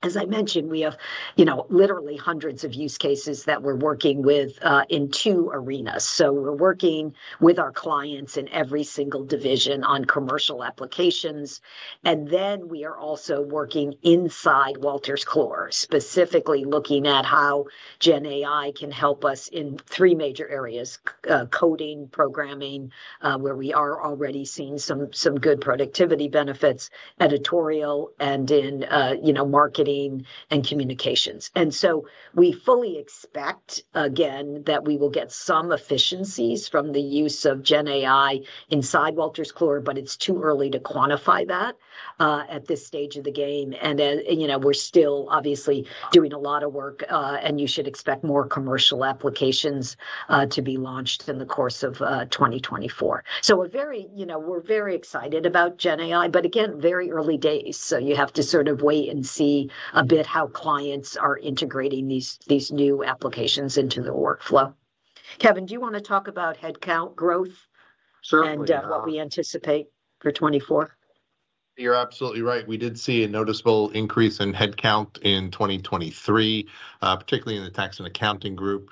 Speaker 3: as I mentioned, we have literally hundreds of use cases that we're working with in two arenas. So we're working with our clients in every single division on commercial applications. And then we are also working inside Wolters Kluwer, specifically looking at how GenAI can help us in three major areas: coding, programming, where we are already seeing some good productivity benefits, editorial, and in marketing and communications. And so we fully expect, again, that we will get some efficiencies from the use of GenAI inside Wolters Kluwer, but it's too early to quantify that at this stage of the game. And we're still, obviously, doing a lot of work, and you should expect more commercial applications to be launched in the course of 2024. So we're very excited about GenAI, but again, very early days. So you have to sort of wait and see a bit how clients are integrating these new applications into their workflow. Kevin, do you want to talk about headcount growth and what we anticipate for 2024?
Speaker 4: You're absolutely right. We did see a noticeable increase in headcount in 2023, particularly in the tax and accounting group.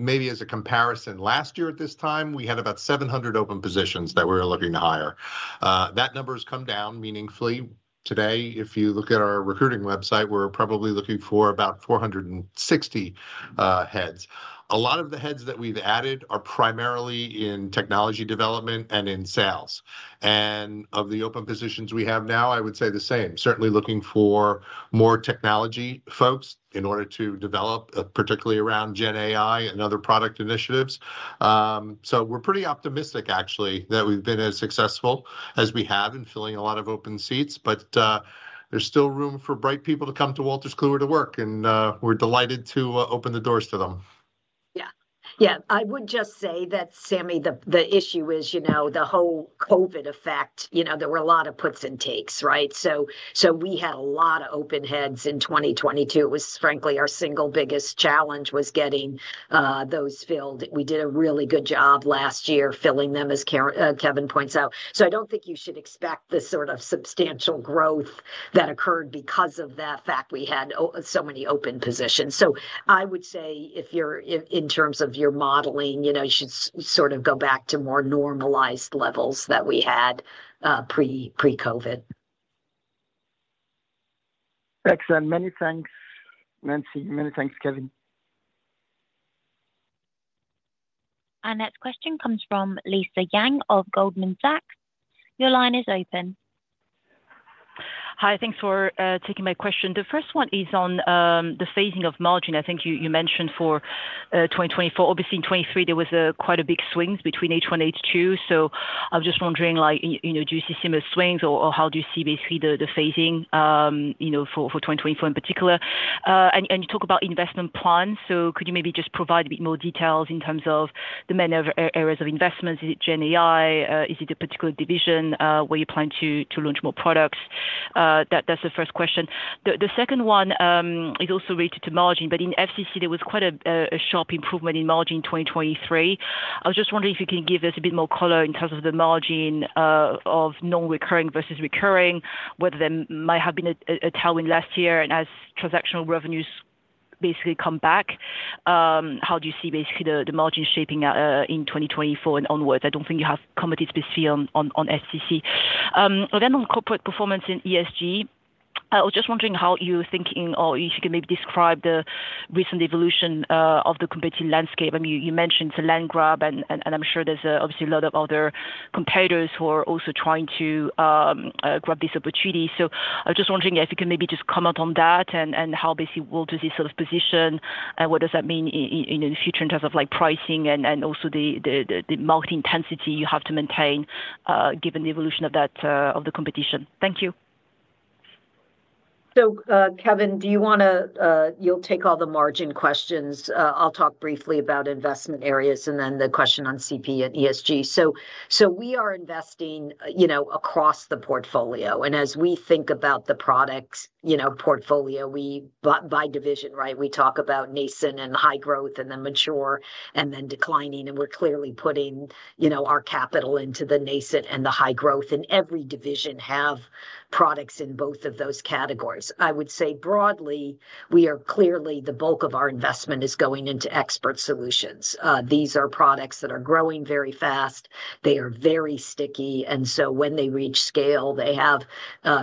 Speaker 4: Maybe as a comparison, last year at this time, we had about 700 open positions that we were looking to hire. That number has come down meaningfully. Today, if you look at our recruiting website, we're probably looking for about 460 heads. A lot of the heads that we've added are primarily in technology development and in sales. Of the open positions we have now, I would say the same, certainly looking for more technology folks in order to develop, particularly around GenAI and other product initiatives. So we're pretty optimistic, actually, that we've been as successful as we have in filling a lot of open seats. But there's still room for bright people to come to Wolters Kluwer to work, and we're delighted to open the doors to them.
Speaker 3: Yeah. Yeah. I would just say that, Sami, the issue is the whole COVID effect. There were a lot of puts and takes, right? So we had a lot of open heads in 2022. It was, frankly, our single biggest challenge was getting those filled. We did a really good job last year filling them, as Kevin points out. So I don't think you should expect the sort of substantial growth that occurred because of that fact we had so many open positions. So I would say, in terms of your modeling, you should sort of go back to more normalized levels that we had pre-COVID.
Speaker 9: Excellent. Many thanks, Nancy. Many thanks, Kevin.
Speaker 1: Our next question comes from Lisa Yang of Goldman Sachs. Your line is open.
Speaker 10: Hi. Thanks for taking my question. The first one is on the phasing of margin. I think you mentioned for 2024. Obviously, in 2023, there was quite a big swings between Q1 and Q2. So I'm just wondering, do you see similar swings, or how do you see, basically, the phasing for 2024 in particular? And you talk about investment plans. So could you maybe just provide a bit more details in terms of the main areas of investments? Is it GenAI? Is it a particular division where you plan to launch more products? That's the first question. The second one is also related to margin, but in FCC, there was quite a sharp improvement in margin in 2023. I was just wondering if you can give us a bit more color in terms of the margin of non-recurring versus recurring, whether there might have been a tailwind last year. As transactional revenues basically come back, how do you see, basically, the margin shaping out in 2024 and onwards? I don't think you have commented specifically on FCC. Then on Corporate Performance in ESG, I was just wondering how you're thinking or if you can maybe describe the recent evolution of the competitive landscape. I mean, you mentioned it's a land grab, and I'm sure there's obviously a lot of other competitors who are also trying to grab this opportunity. So I was just wondering if you can maybe just comment on that and how, basically, Wolters is sort of positioned, and what does that mean in the future in terms of pricing and also the market intensity you have to maintain given the evolution of the competition. Thank you.
Speaker 3: So, Kevin, do you want to? You'll take all the margin questions. I'll talk briefly about investment areas and then the question on CP and ESG. So we are investing across the portfolio. And as we think about the product portfolio, by division, right, we talk about NACEN and high growth and then mature and then declining. And we're clearly putting our capital into the NACEN and the high growth. And every division has products in both of those categories. I would say, broadly, clearly, the bulk of our investment is going into Expert Solutions. These are products that are growing very fast. They are very sticky. And so when they reach scale, they have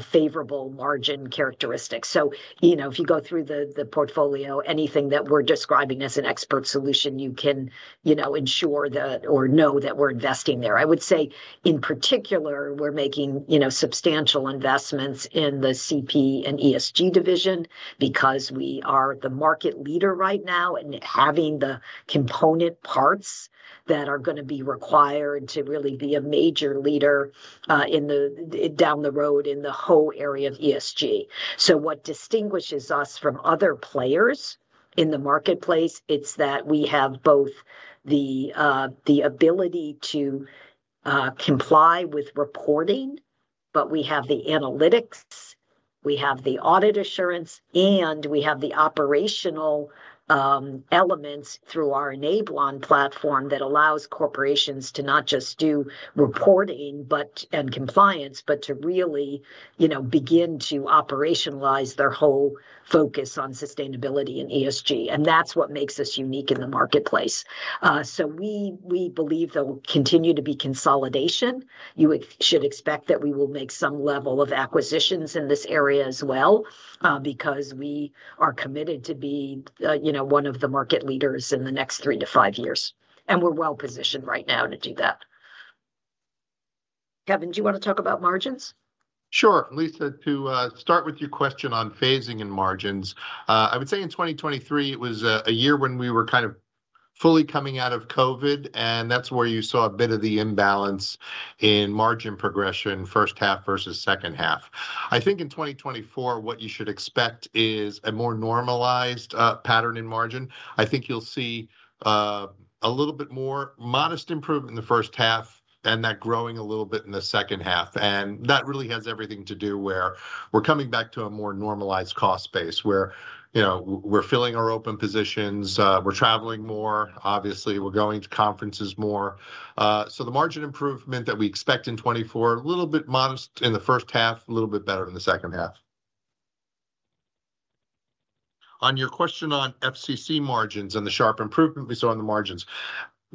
Speaker 3: favorable margin characteristics. So if you go through the portfolio, anything that we're describing as an Expert Solution, you can ensure or know that we're investing there. I would say, in particular, we're making substantial investments in the CP and ESG division because we are the market leader right now and having the component parts that are going to be required to really be a major leader down the road in the whole area of ESG. So what distinguishes us from other players in the marketplace, it's that we have both the ability to comply with reporting, but we have the analytics, we have the audit assurance, and we have the operational elements through our Enablon platform that allows corporations to not just do reporting and compliance, but to really begin to operationalize their whole focus on sustainability and ESG. And that's what makes us unique in the marketplace. So we believe there will continue to be consolidation. You should expect that we will make some level of acquisitions in this area as well because we are committed to be one of the market leaders in the next 3-5 years. We're well-positioned right now to do that. Kevin, do you want to talk about margins?
Speaker 4: Sure. Lisa, to start with your question on phasing and margins, I would say in 2023, it was a year when we were kind of fully coming out of COVID, and that's where you saw a bit of the imbalance in margin progression, first half versus second half. I think in 2024, what you should expect is a more normalized pattern in margin. I think you'll see a little bit more modest improvement in the first half and that growing a little bit in the second half. And that really has everything to do where we're coming back to a more normalized cost base, where we're filling our open positions, we're traveling more, obviously, we're going to conferences more. So the margin improvement that we expect in 2024, a little bit modest in the first half, a little bit better in the second half. On your question on FCC margins and the sharp improvement we saw in the margins,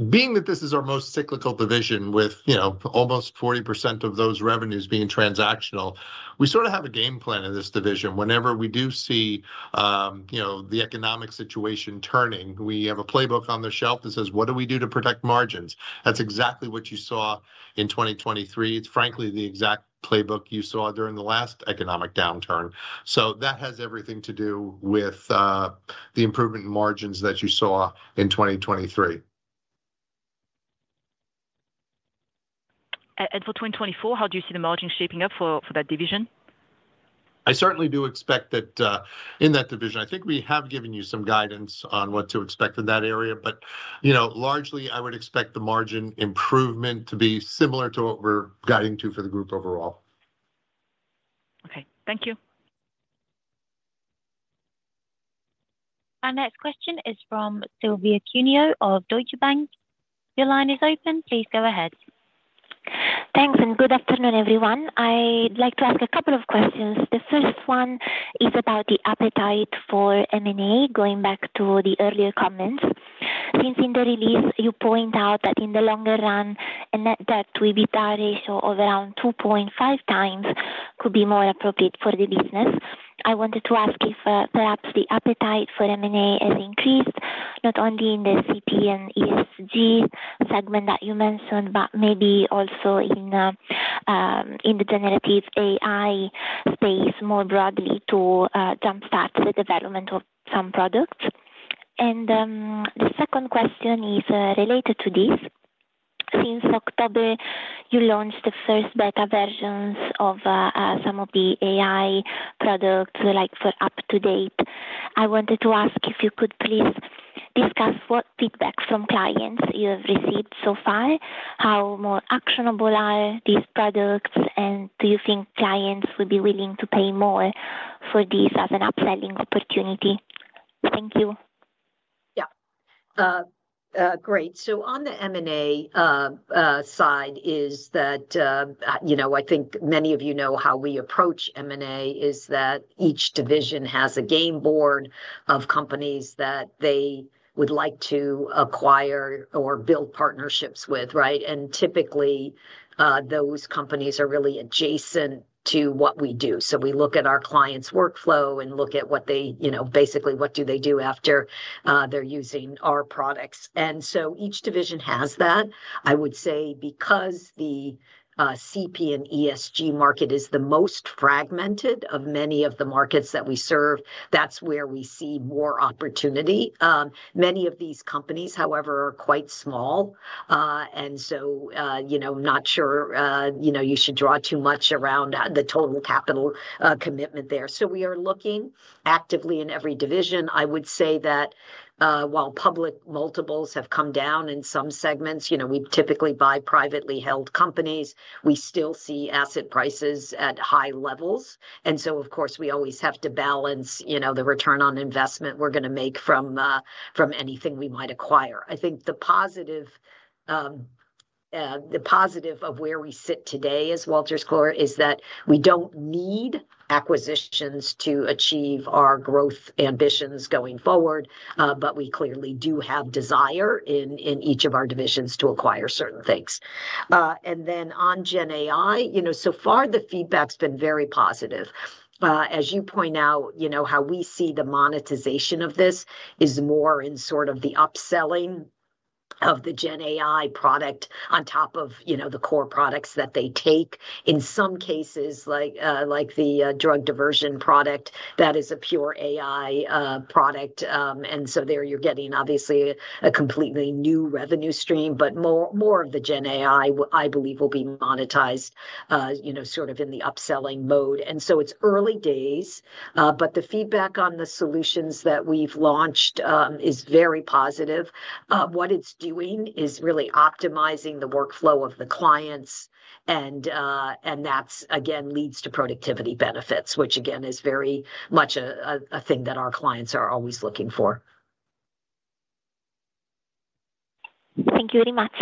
Speaker 4: being that this is our most cyclical division with almost 40% of those revenues being transactional, we sort of have a game plan in this division. Whenever we do see the economic situation turning, we have a playbook on the shelf that says, "What do we do to protect margins?" That's exactly what you saw in 2023. It's, frankly, the exact playbook you saw during the last economic downturn. So that has everything to do with the improvement in margins that you saw in 2023.
Speaker 10: For 2024, how do you see the margin shaping up for that division?
Speaker 4: I certainly do expect that in that division, I think we have given you some guidance on what to expect in that area. But largely, I would expect the margin improvement to be similar to what we're guiding to for the group overall.
Speaker 10: Okay. Thank you.
Speaker 1: Our next question is from Silvia Cuneo of Deutsche Bank. Your line is open. Please go ahead.
Speaker 11: Thanks. Good afternoon, everyone. I'd like to ask a couple of questions. The first one is about the appetite for M&A, going back to the earlier comments. Since in the release, you point out that in the longer run, a net debt to EBITDA ratio of around 2.5x could be more appropriate for the business. I wanted to ask if perhaps the appetite for M&A has increased, not only in the CP and ESG segment that you mentioned, but maybe also in the generative AI space more broadly to jumpstart the development of some products. And the second question is related to this. Since October, you launched the first beta versions of some of the AI products for UpToDate. I wanted to ask if you could please discuss what feedback from clients you have received so far, how more actionable are these products, and do you think clients will be willing to pay more for these as an upselling opportunity? Thank you.
Speaker 3: Yeah. Great. So on the M&A side is that I think many of you know how we approach M&A, is that each division has a game board of companies that they would like to acquire or build partnerships with, right? And typically, those companies are really adjacent to what we do. So we look at our clients' workflow and look at what they basically, what do they do after they're using our products? And so each division has that. I would say because the CP and ESG market is the most fragmented of many of the markets that we serve, that's where we see more opportunity. Many of these companies, however, are quite small. And so I'm not sure you should draw too much around the total capital commitment there. So we are looking actively in every division. I would say that while public multiples have come down in some segments, we typically buy privately held companies. We still see asset prices at high levels. And so, of course, we always have to balance the return on investment we're going to make from anything we might acquire. I think the positive of where we sit today as Wolters Kluwer is that we don't need acquisitions to achieve our growth ambitions going forward, but we clearly do have desire in each of our divisions to acquire certain things. And then on GenAI, so far, the feedback's been very positive. As you point out, how we see the monetization of this is more in sort of the upselling of the GenAI product on top of the core products that they take. In some cases, like the drug diversion product, that is a pure AI product. There, you're getting, obviously, a completely new revenue stream. But more of the GenAI, I believe, will be monetized sort of in the upselling mode. And so it's early days, but the feedback on the solutions that we've launched is very positive. What it's doing is really optimizing the workflow of the clients. And that, again, leads to productivity benefits, which, again, is very much a thing that our clients are always looking for.
Speaker 11: Thank you very much.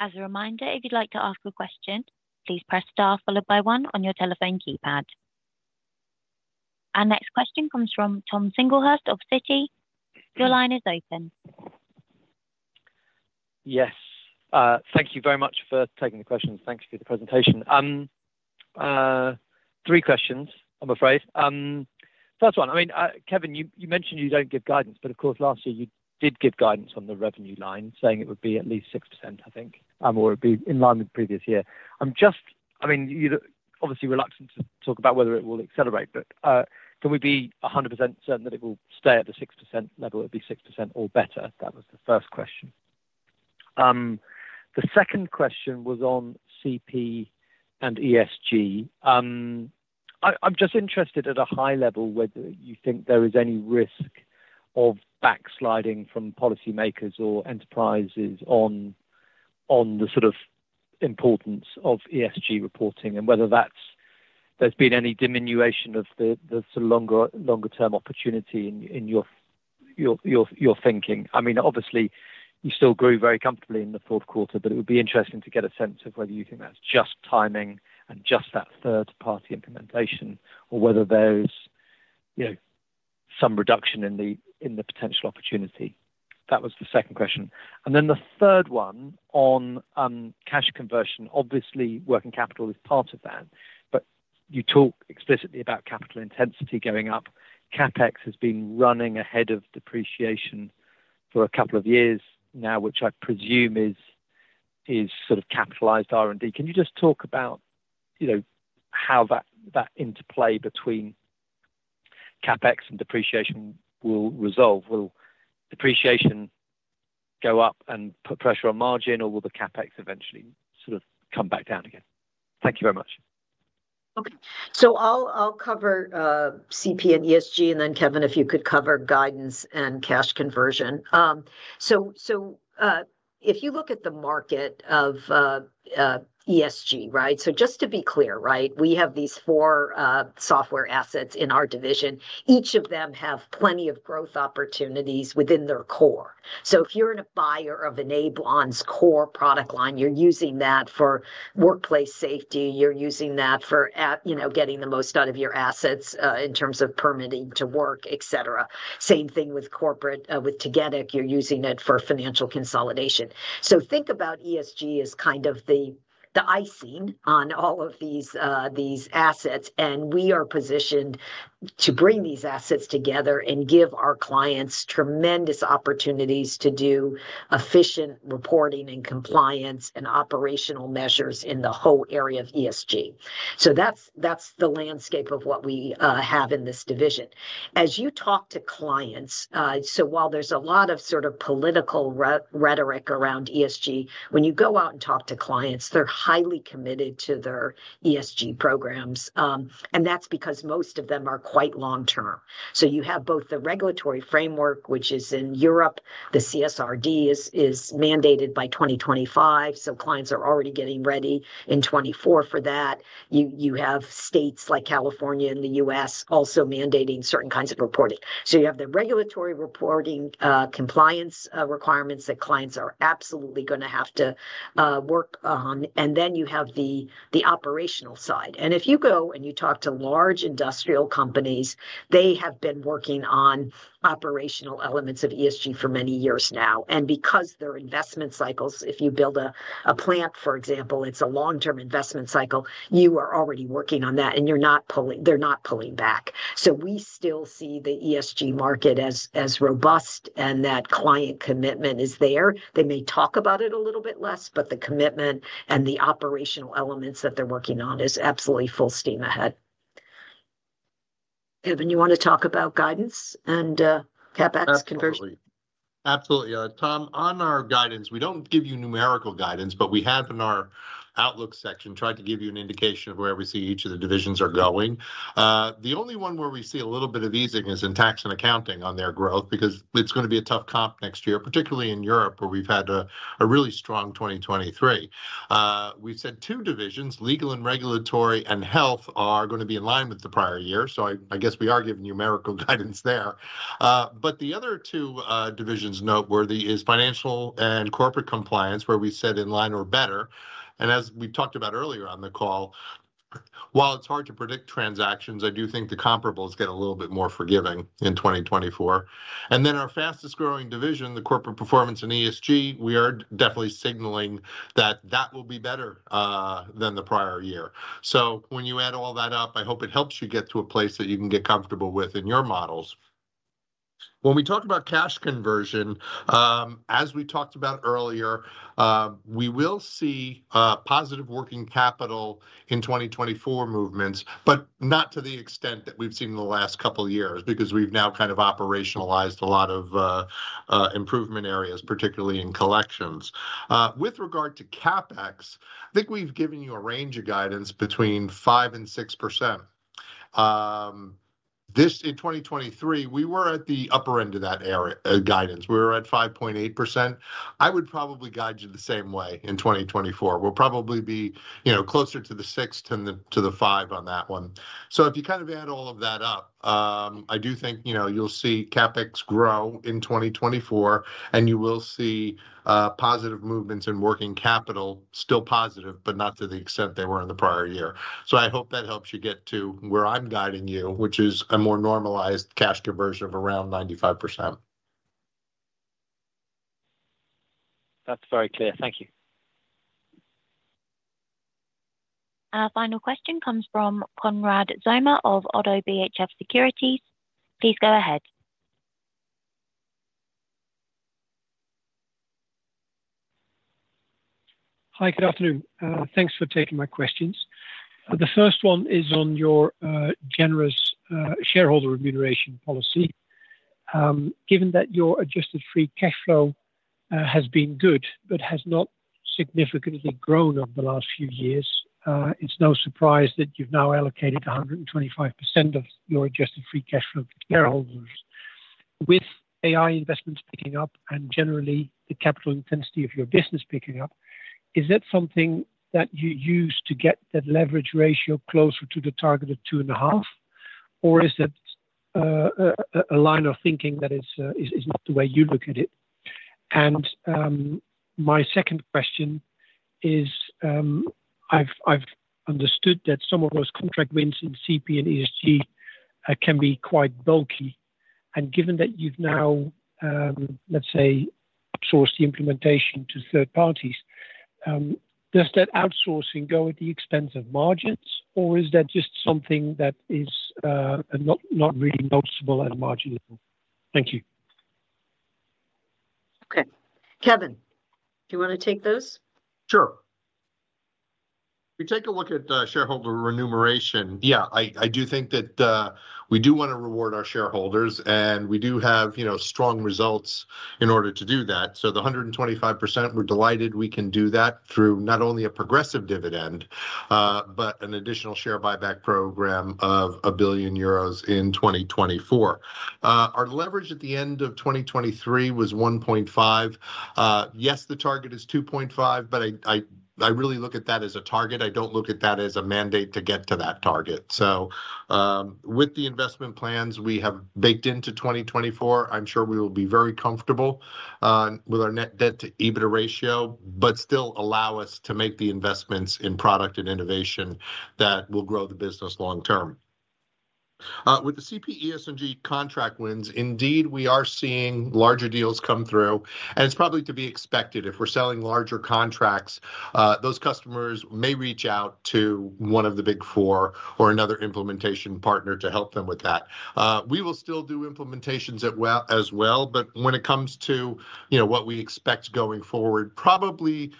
Speaker 1: As a reminder, if you'd like to ask a question, please press star followed by one on your telephone keypad. Our next question comes from Tom Singlehurst of Citi. Your line is open.
Speaker 12: Yes. Thank you very much for taking the questions. Thank you for the presentation. Three questions, I'm afraid. First one, I mean, Kevin, you mentioned you don't give guidance, but of course, last year, you did give guidance on the revenue line, saying it would be at least 6%, I think, or it'd be in line with previous year. I mean, you're obviously reluctant to talk about whether it will accelerate, but can we be 100% certain that it will stay at the 6% level? It'd be 6% or better. That was the first question. The second question was on CP and ESG. I'm just interested at a high level whether you think there is any risk of backsliding from policymakers or enterprises on the sort of importance of ESG reporting and whether there's been any diminution of the sort of longer-term opportunity in your thinking. I mean, obviously, you still grew very comfortably in the fourth quarter, but it would be interesting to get a sense of whether you think that's just timing and just that third-party implementation or whether there's some reduction in the potential opportunity. That was the second question. Then the third one on cash conversion. Obviously, working capital is part of that, but you talk explicitly about capital intensity going up. CapEx has been running ahead of depreciation for a couple of years now, which I presume is sort of capitalized R&D. Can you just talk about how that interplay between CapEx and depreciation will resolve? Will depreciation go up and put pressure on margin, or will the CapEx eventually sort of come back down again? Thank you very much.
Speaker 3: Okay. So I'll cover CP and ESG, and then, Kevin, if you could cover guidance and cash conversion. So if you look at the market of ESG, right, so just to be clear, right, we have these four software assets in our division. Each of them have plenty of growth opportunities within their core. So if you're a buyer of Enablon's core product line, you're using that for workplace safety. You're using that for getting the most out of your assets in terms of permitting to work, etc. Same thing with Tagetik. You're using it for financial consolidation. So think about ESG as kind of the icing on all of these assets. And we are positioned to bring these assets together and give our clients tremendous opportunities to do efficient reporting and compliance and operational measures in the whole area of ESG. So that's the landscape of what we have in this division. As you talk to clients, so while there's a lot of sort of political rhetoric around ESG, when you go out and talk to clients, they're highly committed to their ESG programs. And that's because most of them are quite long-term. So you have both the regulatory framework, which is in Europe. The CSRD is mandated by 2025, so clients are already getting ready in 2024 for that. You have states like California and the U.S. also mandating certain kinds of reporting. So you have the regulatory reporting compliance requirements that clients are absolutely going to have to work on. And then you have the operational side. And if you go and you talk to large industrial companies, they have been working on operational elements of ESG for many years now. Because they're investment cycles, if you build a plant, for example, it's a long-term investment cycle, you are already working on that, and they're not pulling back. So we still see the ESG market as robust and that client commitment is there. They may talk about it a little bit less, but the commitment and the operational elements that they're working on is absolutely full steam ahead. Kevin, you want to talk about guidance and CapEx conversion?
Speaker 4: Absolutely. Absolutely. Tom, on our guidance, we don't give you numerical guidance, but we have in our Outlook section tried to give you an indication of where we see each of the divisions are going. The only one where we see a little bit of easing is in tax and accounting on their growth because it's going to be a tough comp next year, particularly in Europe where we've had a really strong 2023. We've said two divisions, legal and regulatory and health, are going to be in line with the prior year. So I guess we are giving numerical guidance there. But the other two divisions, noteworthy, is Financial and Corporate Compliance, where we said in line or better. And as we talked about earlier on the call, while it's hard to predict transactions, I do think the comparables get a little bit more forgiving in 2024. And then our fastest-growing division, the Corporate Performance and ESG, we are definitely signaling that that will be better than the prior year. So when you add all that up, I hope it helps you get to a place that you can get comfortable with in your models. When we talk about cash conversion, as we talked about earlier, we will see positive working capital in 2024 movements, but not to the extent that we've seen in the last couple of years because we've now kind of operationalized a lot of improvement areas, particularly in collections. With regard to CapEx, I think we've given you a range of guidance between 5%-6%. In 2023, we were at the upper end of that guidance. We were at 5.8%. I would probably guide you the same way in 2024. We'll probably be closer to the six to the five on that one. So if you kind of add all of that up, I do think you'll see CapEx grow in 2024, and you will see positive movements in working capital, still positive, but not to the extent they were in the prior year. So I hope that helps you get to where I'm guiding you, which is a more normalized cash conversion of around 95%.
Speaker 12: That's very clear. Thank you.
Speaker 1: Our final question comes from Konrad Zomer of ODDO BHF Securities. Please go ahead.
Speaker 13: Hi. Good afternoon. Thanks for taking my questions. The first one is on your generous shareholder remuneration policy. Given that your Adjusted Free Cash Flow has been good but has not significantly grown over the last few years, it's no surprise that you've now allocated 125% of your Adjusted Free Cash Flow to shareholders. With AI investments picking up and generally the capital intensity of your business picking up, is that something that you use to get that leverage ratio closer to the target of 2.5, or is that a line of thinking that is not the way you look at it? My second question is, I've understood that some of those contract wins in CP and ESG can be quite bulky. Given that you've now, let's say, outsourced the implementation to third parties, does that outsourcing go at the expense of margins, or is that just something that is not really noticeable at margin level? Thank you.
Speaker 3: Okay. Kevin, do you want to take those?
Speaker 4: Sure. If you take a look at shareholder remuneration, yeah, I do think that we do want to reward our shareholders, and we do have strong results in order to do that. So the 125%, we're delighted we can do that through not only a progressive dividend but an additional share buyback program of 1 billion euros in 2024. Our leverage at the end of 2023 was 1.5. Yes, the target is 2.5, but I really look at that as a target. I don't look at that as a mandate to get to that target. So with the investment plans we have baked into 2024, I'm sure we will be very comfortable with our net debt-to-EBITDA ratio but still allow us to make the investments in product and innovation that will grow the business long-term. With the CP ESG contract wins, indeed, we are seeing larger deals come through, and it's probably to be expected. If we're selling larger contracts, those customers may reach out to one of the Big Four or another implementation partner to help them with that. We will still do implementations as well, but when it comes to what we expect going forward, probably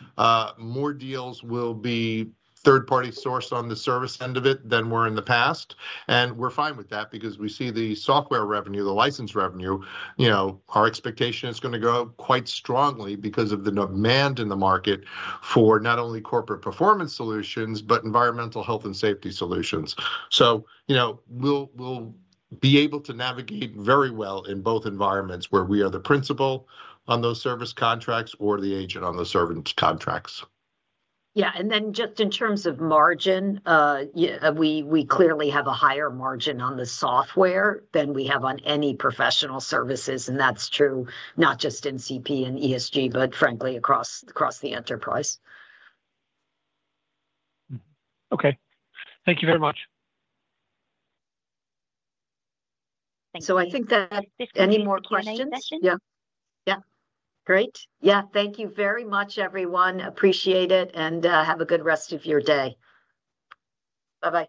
Speaker 4: more deals will be third-party sourced on the service end of it than were in the past. And we're fine with that because we see the software revenue, the license revenue. Our expectation is going to grow quite strongly because of the demand in the market for not only Corporate Performance solutions but environmental health and safety solutions. So we'll be able to navigate very well in both environments where we are the principal on those service contracts or the agent on those service contracts.
Speaker 3: Yeah. And then just in terms of margin, we clearly have a higher margin on the software than we have on any professional services. And that's true not just in CP and ESG but, frankly, across the enterprise.
Speaker 13: Okay. Thank you very much.
Speaker 1: Thank you.
Speaker 3: So I think that any more questions?
Speaker 1: Any questions?
Speaker 3: Yeah. Yeah. Great. Yeah. Thank you very much, everyone. Appreciate it, and have a good rest of your day. Bye-bye.